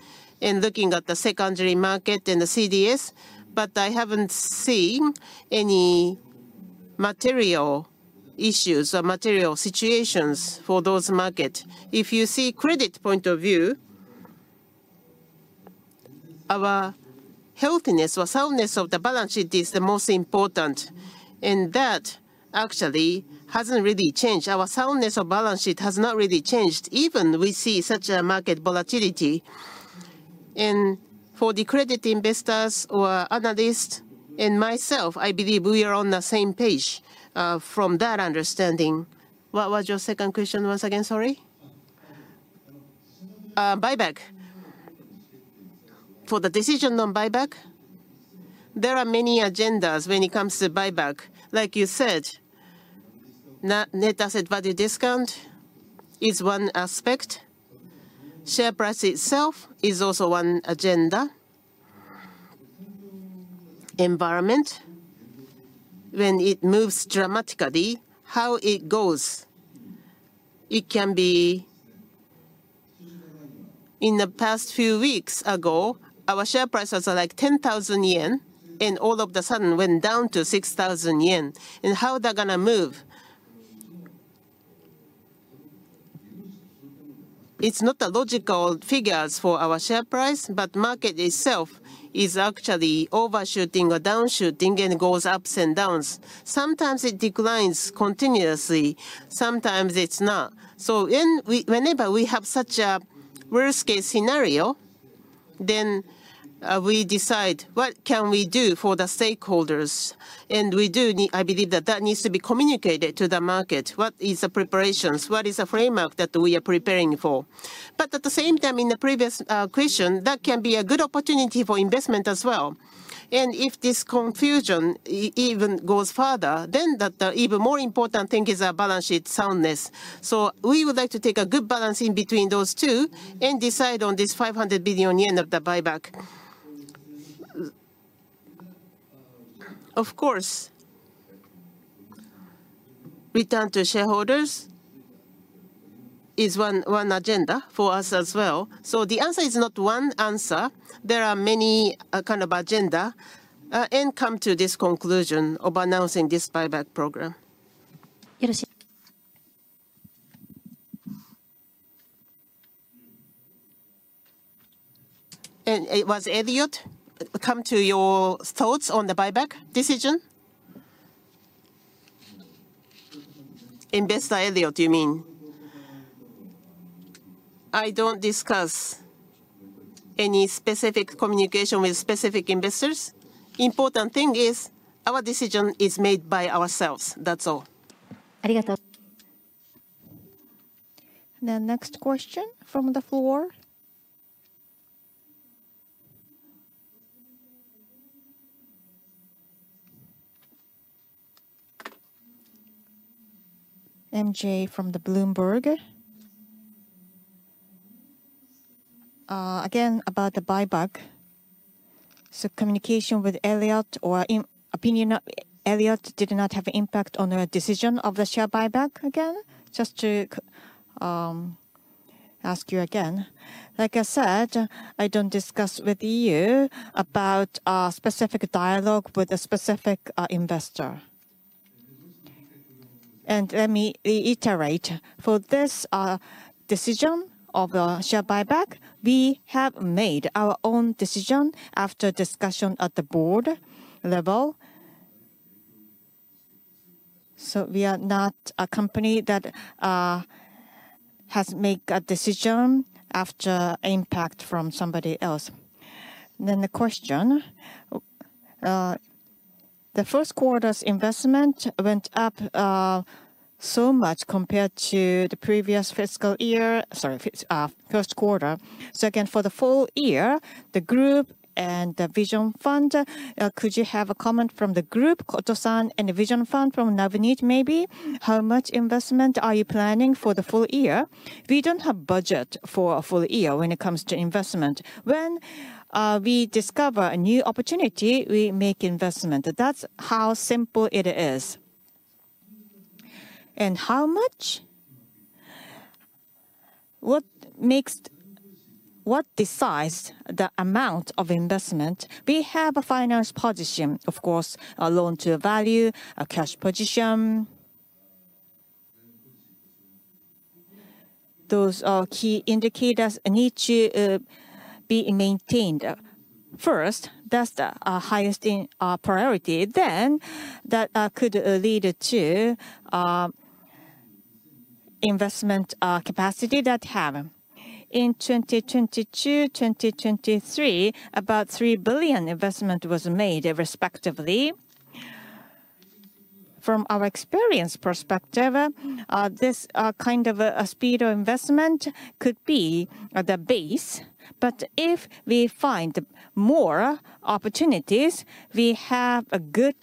and looking at the secondary market and the CDS. But I haven't seen any material issues or material situations for those markets. If you see credit point of view, our healthiness or soundness of the balance sheet is the most important. That actually hasn't really changed. Our soundness of balance sheet has not really changed even we see such a market volatility. For the credit investors or analysts and myself, I believe we are on the same page from that understanding. What was your second question once again? Sorry. Buyback. For the decision on buyback, there are many agendas when it comes to buyback. Like you said, net asset value discount is one aspect. Share price itself is also one agenda. Environment, when it moves dramatically, how it goes, it can be in the past few weeks ago, our share prices are like 10,000 yen, and all of a sudden went down to 6,000 yen. How they're going to move. It's not the logical figures for our share price, but market itself is actually overshooting or downshooting and goes ups and downs. Sometimes it declines continuously. Sometimes it's not. So whenever we have such a worst-case scenario, then we decide what can we do for the stakeholders. And we do, I believe that that needs to be communicated to the market. What is the preparations? What is the framework that we are preparing for? But at the same time, in the previous question, that can be a good opportunity for investment as well. And if this confusion even goes further, then that the even more important thing is our balance sheet soundness. So we would like to take a good balance in between those two and decide on this 500 billion yen of the buyback. Of course. Return to shareholders is one agenda for us as well. So the answer is not one answer. There are many kind of agenda and come to this conclusion of announcing this buyback program. And it was Elliott come to your thoughts on the buyback decision? Investor Elliott, you mean. I don't discuss any specific communication with specific investors. Important thing is our decision is made by ourselves. That's all. Thank you. The next question from the floor. MJ from Bloomberg. Again, about the buyback. So communication with Elliott or opinion Elliott did not have an impact on our decision of the share buyback again? Just to ask you again. Like I said, I don't discuss with you about a specific dialogue with a specific investor. And let me reiterate. For this decision of the share buyback, we have made our own decision after discussion at the board level. So we are not a company that has made a decision after impact from somebody else. Then the question. The first quarter's investment went up so much compared to the previous fiscal year, sorry, first quarter. So again, for the full year, the group and the vision fund, could you have a comment from the group, Goto-san, and the vision fund from Navneet, maybe? How much investment are you planning for the full year? We don't have budget for a full year when it comes to investment. When we discover a new opportunity, we make investment. That's how simple it is. And how much? What decides the amount of investment? We have a finance position, of course, a loan-to-value, a cash position. Those are key indicators that need to be maintained. First, that's the highest priority. Then that could lead to investment capacity that have. In 2022, 2023, about 3 billion investment was made respectively. From our experience perspective, this kind of a speed of investment could be the base. But if we find more opportunities, we have a good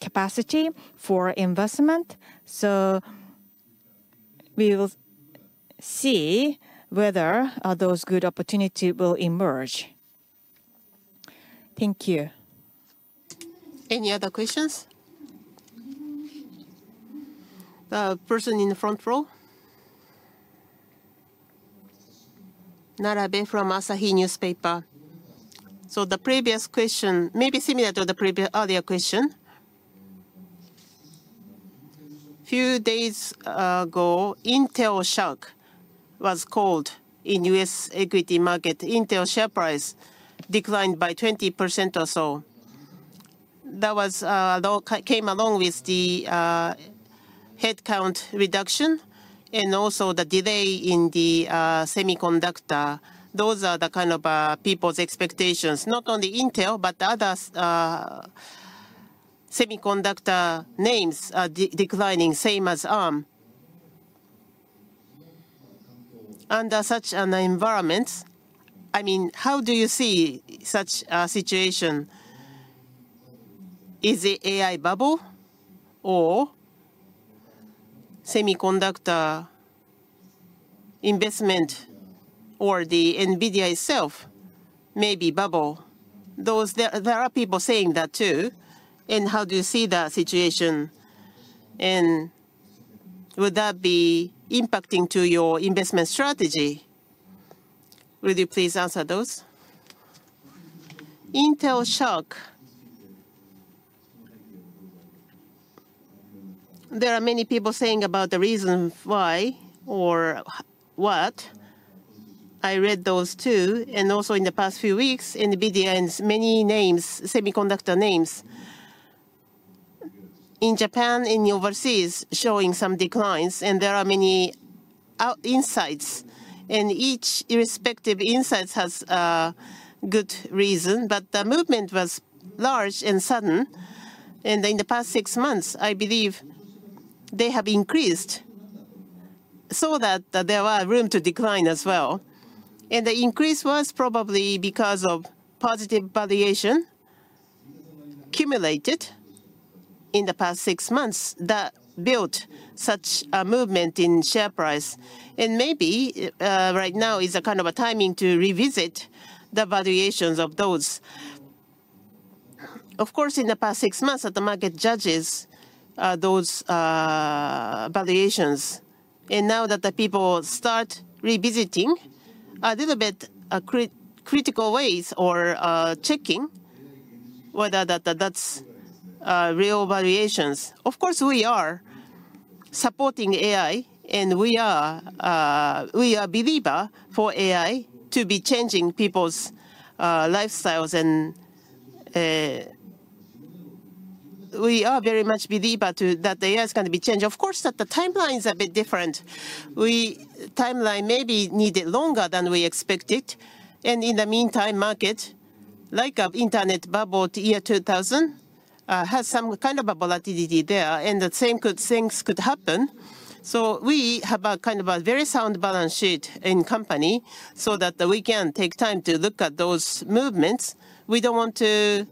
capacity for investment. So we will see whether those good opportunities will emerge. Thank you. Any other questions? The person in the front row? Narabe from Asahi Newspaper. So the previous question, maybe similar to the earlier question. A few days ago, Intel Shock was called in U.S. equity market. Intel share price declined by 20% or so. That came along with the headcount reduction and also the delay in the semiconductor. Those are the kind of people's expectations, not only Intel, but other semiconductor names declining, same as Arm. Under such an environment, I mean, how do you see such a situation? Is the AI bubble or semiconductor investment or the NVIDIA itself may be bubble? There are people saying that too. How do you see the situation? Would that be impacting your investment strategy? Will you please answer those? Intel Shock. There are many people saying about the reason why or what. I read those too. Also in the past few weeks, NVIDIA and many names, semiconductor names in Japan and overseas showing some declines. There are many insights. Each respective insights has a good reason. But the movement was large and sudden. In the past six months, I believe they have increased so that there was room to decline as well. The increase was probably because of positive valuation accumulated in the past six months that built such a movement in share price. And maybe right now is a kind of a timing to revisit the valuations of those. Of course, in the past six months, the market judges those valuations. And now that the people start revisiting a little bit critical ways or checking whether that's real valuations. Of course, we are supporting AI. And we are a believer for AI to be changing people's lifestyles. And we are very much believer that the AI is going to be changed. Of course, that the timeline is a bit different. Timeline maybe needed longer than we expected. And in the meantime, market, like an internet bubble to year 2000, has some kind of a volatility there. And the same things could happen. So we have a kind of a very sound balance sheet in company so that we can take time to look at those movements. We don't want to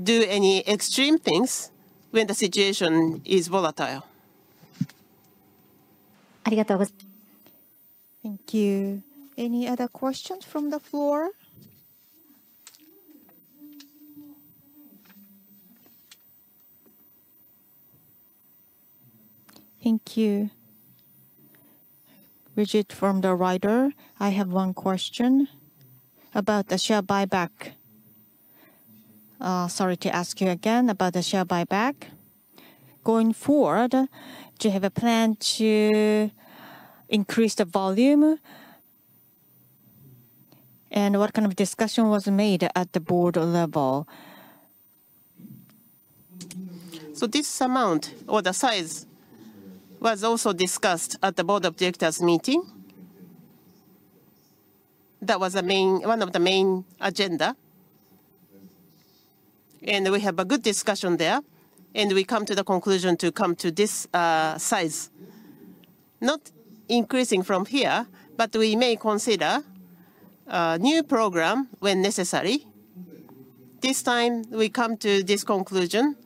do any extreme things when the situation is volatile. Thank you. Any other questions from the floor? Thank you. Brigid from Reuters, I have one question about the share buyback. Sorry to ask you again about the share buyback. Going forward, do you have a plan to increase the volume? And what kind of discussion was made at the board level? So this amount or the size was also discussed at the board of directors meeting. That was one of the main agenda. And we have a good discussion there. And we come to the conclusion to come to this size. Not increasing from here, but we may consider a new program when necessary. This time, we come to this conclusion.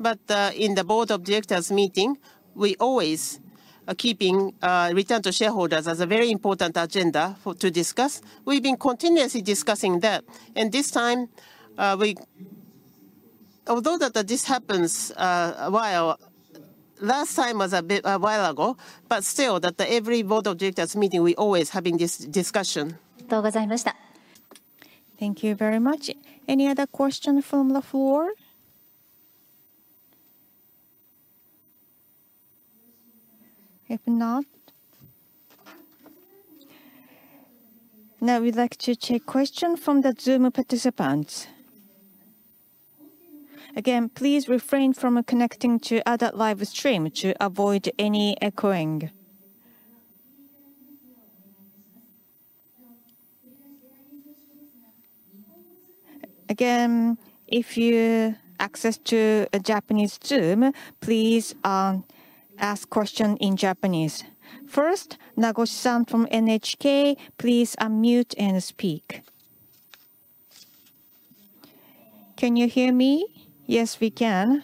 But in the board of directors meeting, we always are keeping return to shareholders as a very important agenda to discuss. We've been continuously discussing that. And this time, although that this happens a while, last time was a while ago, but still that every board of directors meeting, we always have this discussion. Thank you very much. Any other question from the floor? If not, now we'd like to take questions from the Zoom participants. Again, please refrain from connecting to other live stream to avoid any echoing. Again, if you access to a Japanese Zoom, please ask questions in Japanese. First, Nagoshi-san from NHK, please unmute and speak. Can you hear me? Yes, we can.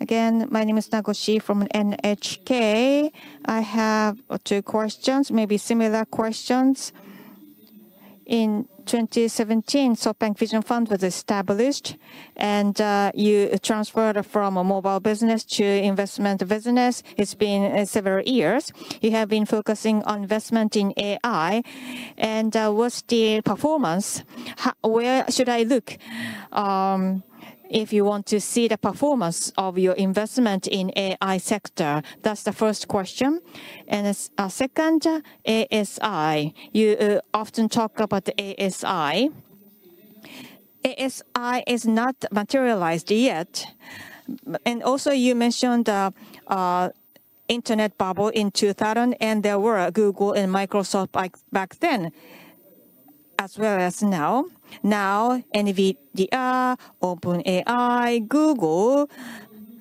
Again, my name is Nagoshi from NHK. I have two questions, maybe similar questions. In 2017, SoftBank Vision Fund was established, and you transferred from a mobile business to investment business. It's been several years. You have been focusing on investment in AI. And what's the performance? Where should I look if you want to see the performance of your investment in the AI sector? That's the first question. And second, ASI. You often talk about the ASI. ASI is not materialized yet. And also, you mentioned the internet bubble in 2000, and there were Google and Microsoft back then, as well as now. Now, NVIDIA, OpenAI, Google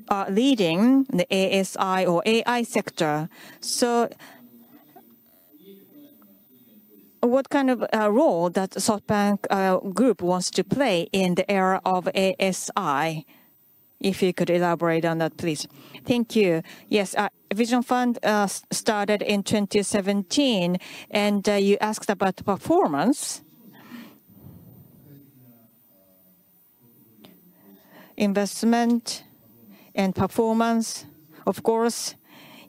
are leading the ASI or AI sector. So what kind of role does the SoftBank Group want to play in the era of ASI? If you could elaborate on that, please. Thank you. Yes, Vision Fund started in 2017, and you asked about performance. Investment and performance. Of course,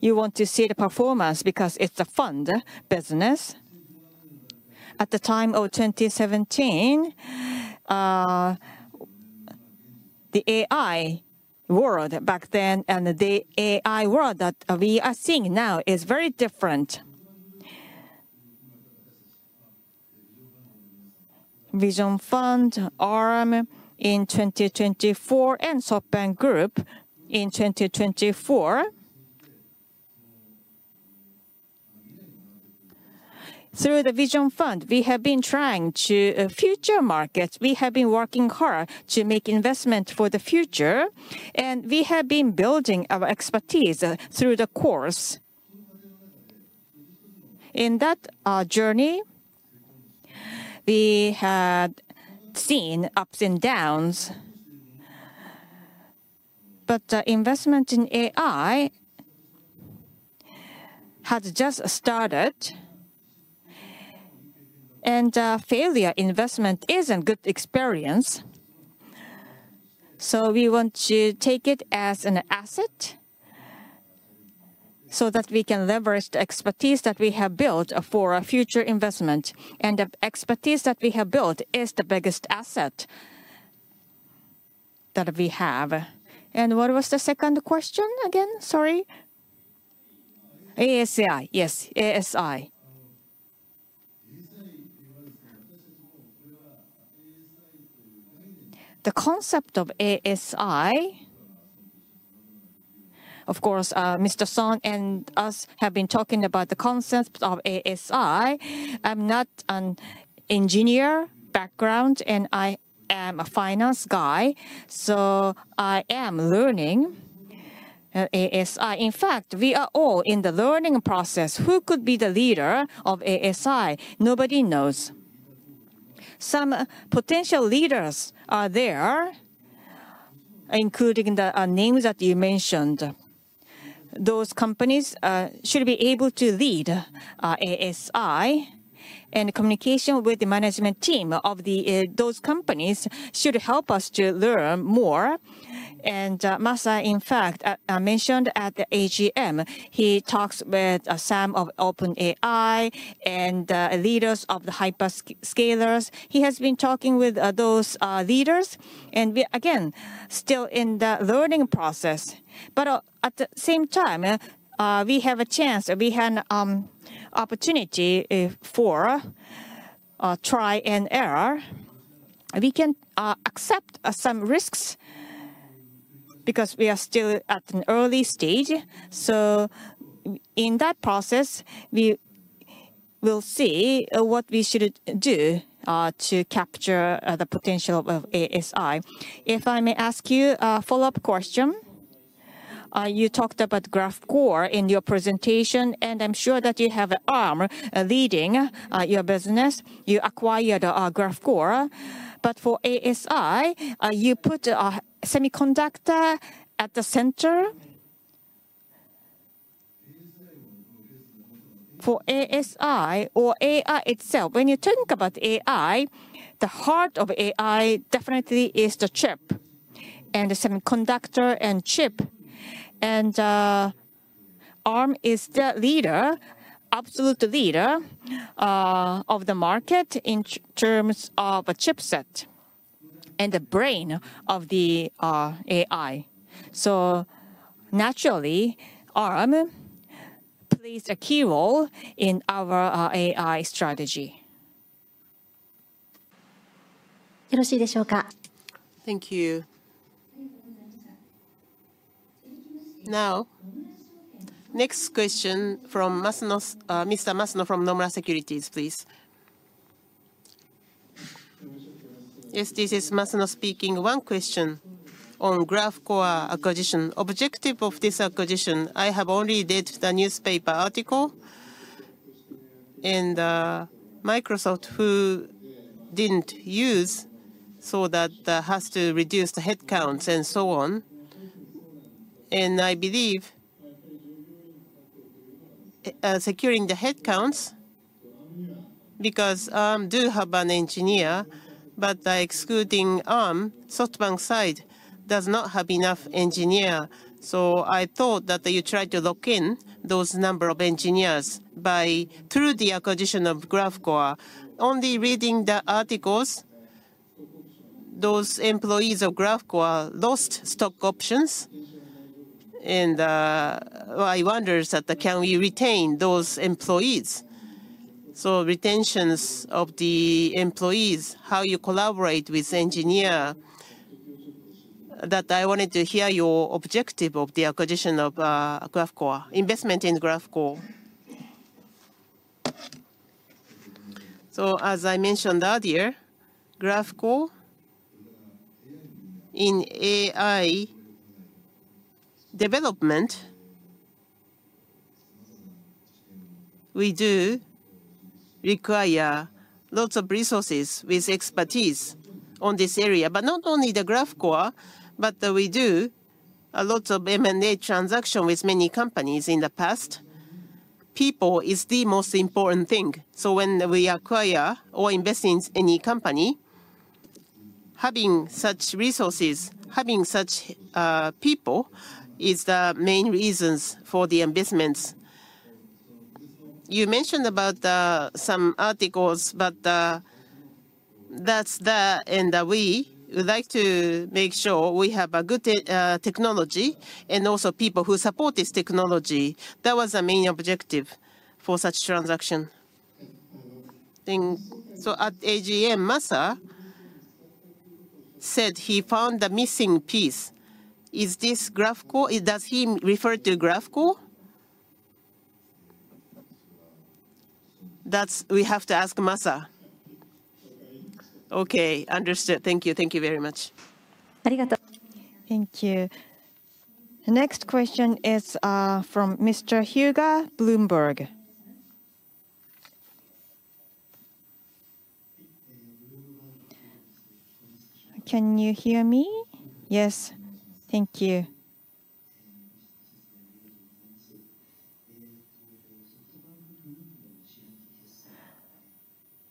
you want to see the performance because it's a fund business. At the time of 2017, the AI world back then and the AI world that we are seeing now is very different. Vision Fund, Arm in 2024, and SoftBank Group in 2024. Through the Vision Fund, we have been trying to future markets. We have been working hard to make investment for the future, and we have been building our expertise through the course. In that journey, we had seen ups and downs. But investment in AI has just started, and failure investment isn't good experience. So we want to take it as an asset so that we can leverage the expertise that we have built for future investment. And the expertise that we have built is the biggest asset that we have. And what was the second question again? Sorry. ASI, yes, ASI. The concept of ASI. Of course, Mr. Son and us have been talking about the concept of ASI. I'm not an engineer background, and I am a finance guy. So I am learning ASI. In fact, we are all in the learning process. Who could be the leader of ASI? Nobody knows. Some potential leaders are there, including the names that you mentioned. Those companies should be able to lead ASI, and communication with the management team of those companies should help us to learn more. And Masa, in fact, I mentioned at the AGM, he talks with some of OpenAI and leaders of the hyperscalers. He has been talking with those leaders, and we are again still in the learning process. But at the same time, we have a chance, we have an opportunity for trial and error. We can accept some risks because we are still at an early stage. So in that process, we will see what we should do to capture the potential of ASI. If I may ask you a follow-up question, you talked about Graphcore in your presentation, and I'm sure that you have Arm leading your business. You acquired Graphcore. But for ASI, you put a semiconductor at the center. For ASI or AI itself, when you think about AI, the heart of AI definitely is the chip and the semiconductor and chip. And Arm is the leader, absolute leader of the market in terms of a chipset and the brain of the AI. So naturally, Arm plays a key role in our AI strategy. Thank you. Now, next question from Mr. Masuno from Nomura Securities, please. Yes, this is Masuno speaking. One question on Graphcore acquisition. Objective of this acquisition, I have only read the newspaper article and Microsoft who didn't use so that has to reduce the headcounts and so on. And I believe securing the headcounts because Arm does have engineers, but excluding Arm, SoftBank side does not have enough engineers. So I thought that you tried to lock in those number of engineers by through the acquisition of Graphcore. Only reading the articles, those employees of Graphcore lost stock options. And I wonder that can we retain those employees? So retentions of the employees, how you collaborate with engineers, that I wanted to hear your objective of the acquisition of Graphcore, investment in Graphcore. So as I mentioned earlier, Graphcore in AI development, we do require lots of resources with expertise on this area. But not only the Graphcore, but we do a lot of M&A transactions with many companies in the past. People is the most important thing. So when we acquire or invest in any company, having such resources, having such people is the main reasons for the investments. You mentioned about some articles, but that's there, and we would like to make sure we have a good technology and also people who support this technology. That was the main objective for such transaction. So at AGM, Masa said he found the missing piece. Is this Graphcore? Does he refer to Graphcore? We have to ask Masa. Okay, understood. Thank you. Thank you very much. Thank you. The next question is from Mr. Hyuga from Bloomberg. Can you hear me? Yes. Thank you.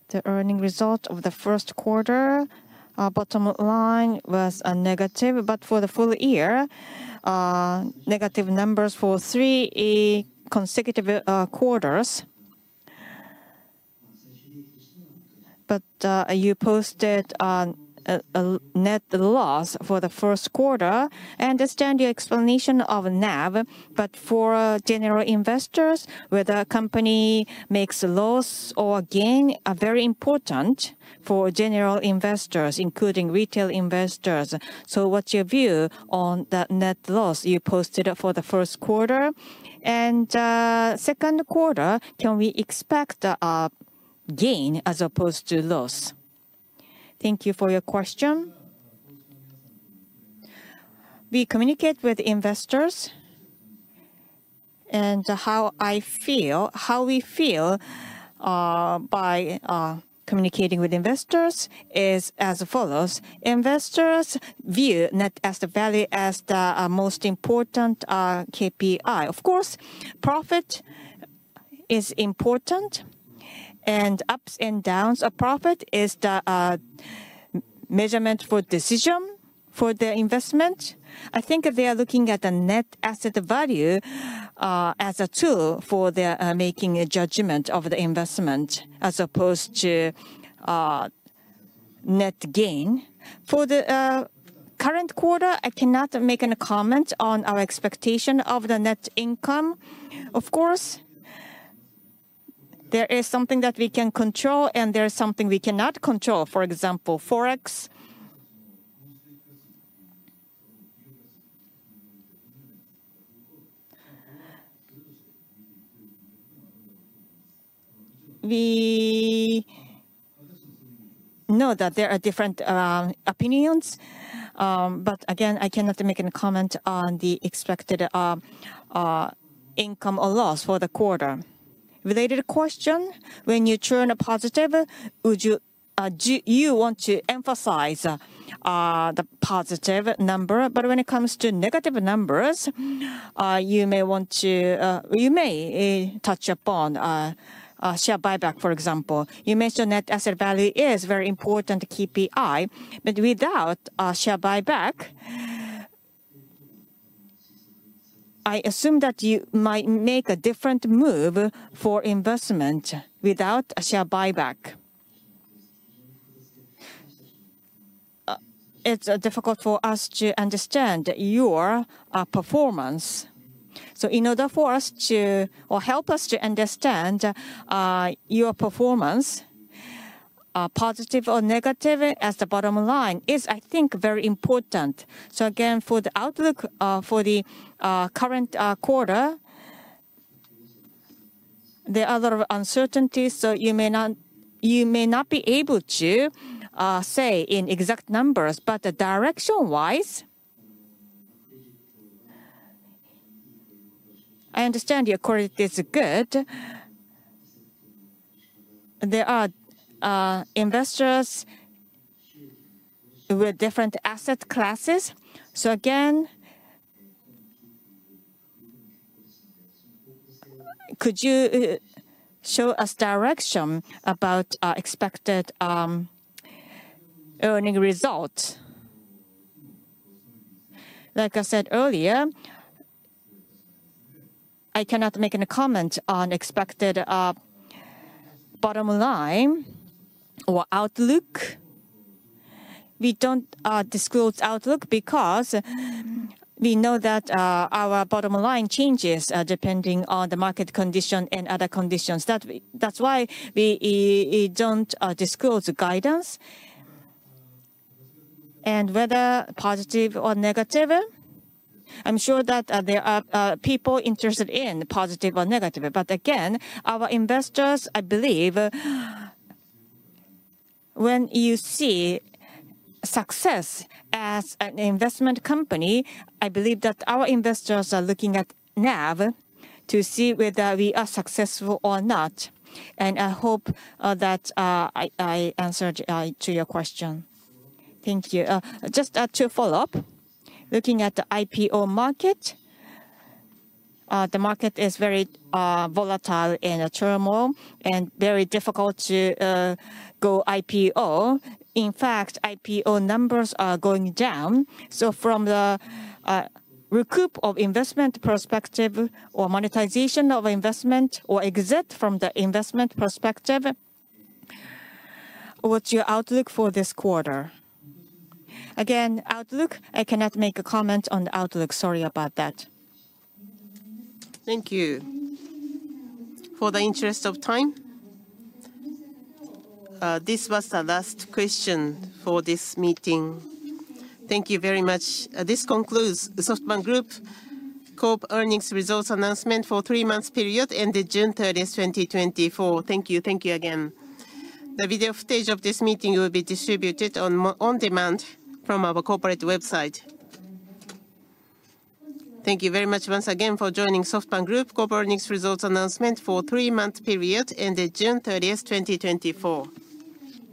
The earnings result of the first quarter, bottom line was negative, but for the full year, negative numbers for three consecutive quarters. But you posted a net loss for the first quarter. I understand your explanation of NAV, but for general investors, whether a company makes a loss or a gain is very important for general investors, including retail investors. So what's your view on the net loss you posted for the first quarter? And second quarter, can we expect a gain as opposed to loss? Thank you for your question. We communicate with investors. How I feel, how we feel by communicating with investors is as follows. Investors view net asset value as the most important KPI. Of course, profit is important, and ups and downs of profit is the measurement for decision for the investment. I think they are looking at the net asset value as a tool for making a judgment of the investment as opposed to net gain. For the current quarter, I cannot make any comment on our expectation of the net income. Of course, there is something that we can control, and there is something we cannot control. For example, Forex. We know that there are different opinions, but again, I cannot make any comment on the expected income or loss for the quarter. Related question, when you turn a positive, would you want to emphasize the positive number? But when it comes to negative numbers, you may want to, you may touch upon share buyback, for example. You mentioned net asset value is a very important KPI, but without share buyback, I assume that you might make a different move for investment without share buyback. It's difficult for us to understand your performance. So in order for us to, or help us to understand your performance, positive or negative as the bottom line is, I think, very important. So again, for the outlook for the current quarter, there are a lot of uncertainties, so you may not be able to say in exact numbers, but direction-wise, I understand your quality is good. There are investors with different asset classes. So again, could you show us direction about expected earning results? Like I said earlier, I cannot make any comment on expected bottom line or outlook. We don't disclose outlook because we know that our bottom line changes depending on the market condition and other conditions. That's why we don't disclose guidance. And whether positive or negative, I'm sure that there are people interested in positive or negative. But again, our investors, I believe, when you see success as an investment company, I believe that our investors are looking at NAV to see whether we are successful or not. And I hope that I answered to your question. Thank you. Just to follow up, looking at the IPO market, the market is very volatile and turmoil and very difficult to go IPO. In fact, IPO numbers are going down. So from the recoup of investment perspective or monetization of investment or exit from the investment perspective, what's your outlook for this quarter? Again, outlook, I cannot make a comment on the outlook. Sorry about that. Thank you. For the interest of time, this was the last question for this meeting. Thank you very much. This concludes SoftBank Group's corporate earnings results announcement for three-month period ended June 30, 2024. Thank you. Thank you again. The video footage of this meeting will be distributed on demand from our corporate website. Thank you very much once again for joining SoftBank Group's corporate earnings results announcement for three-month period ended June 30, 2024.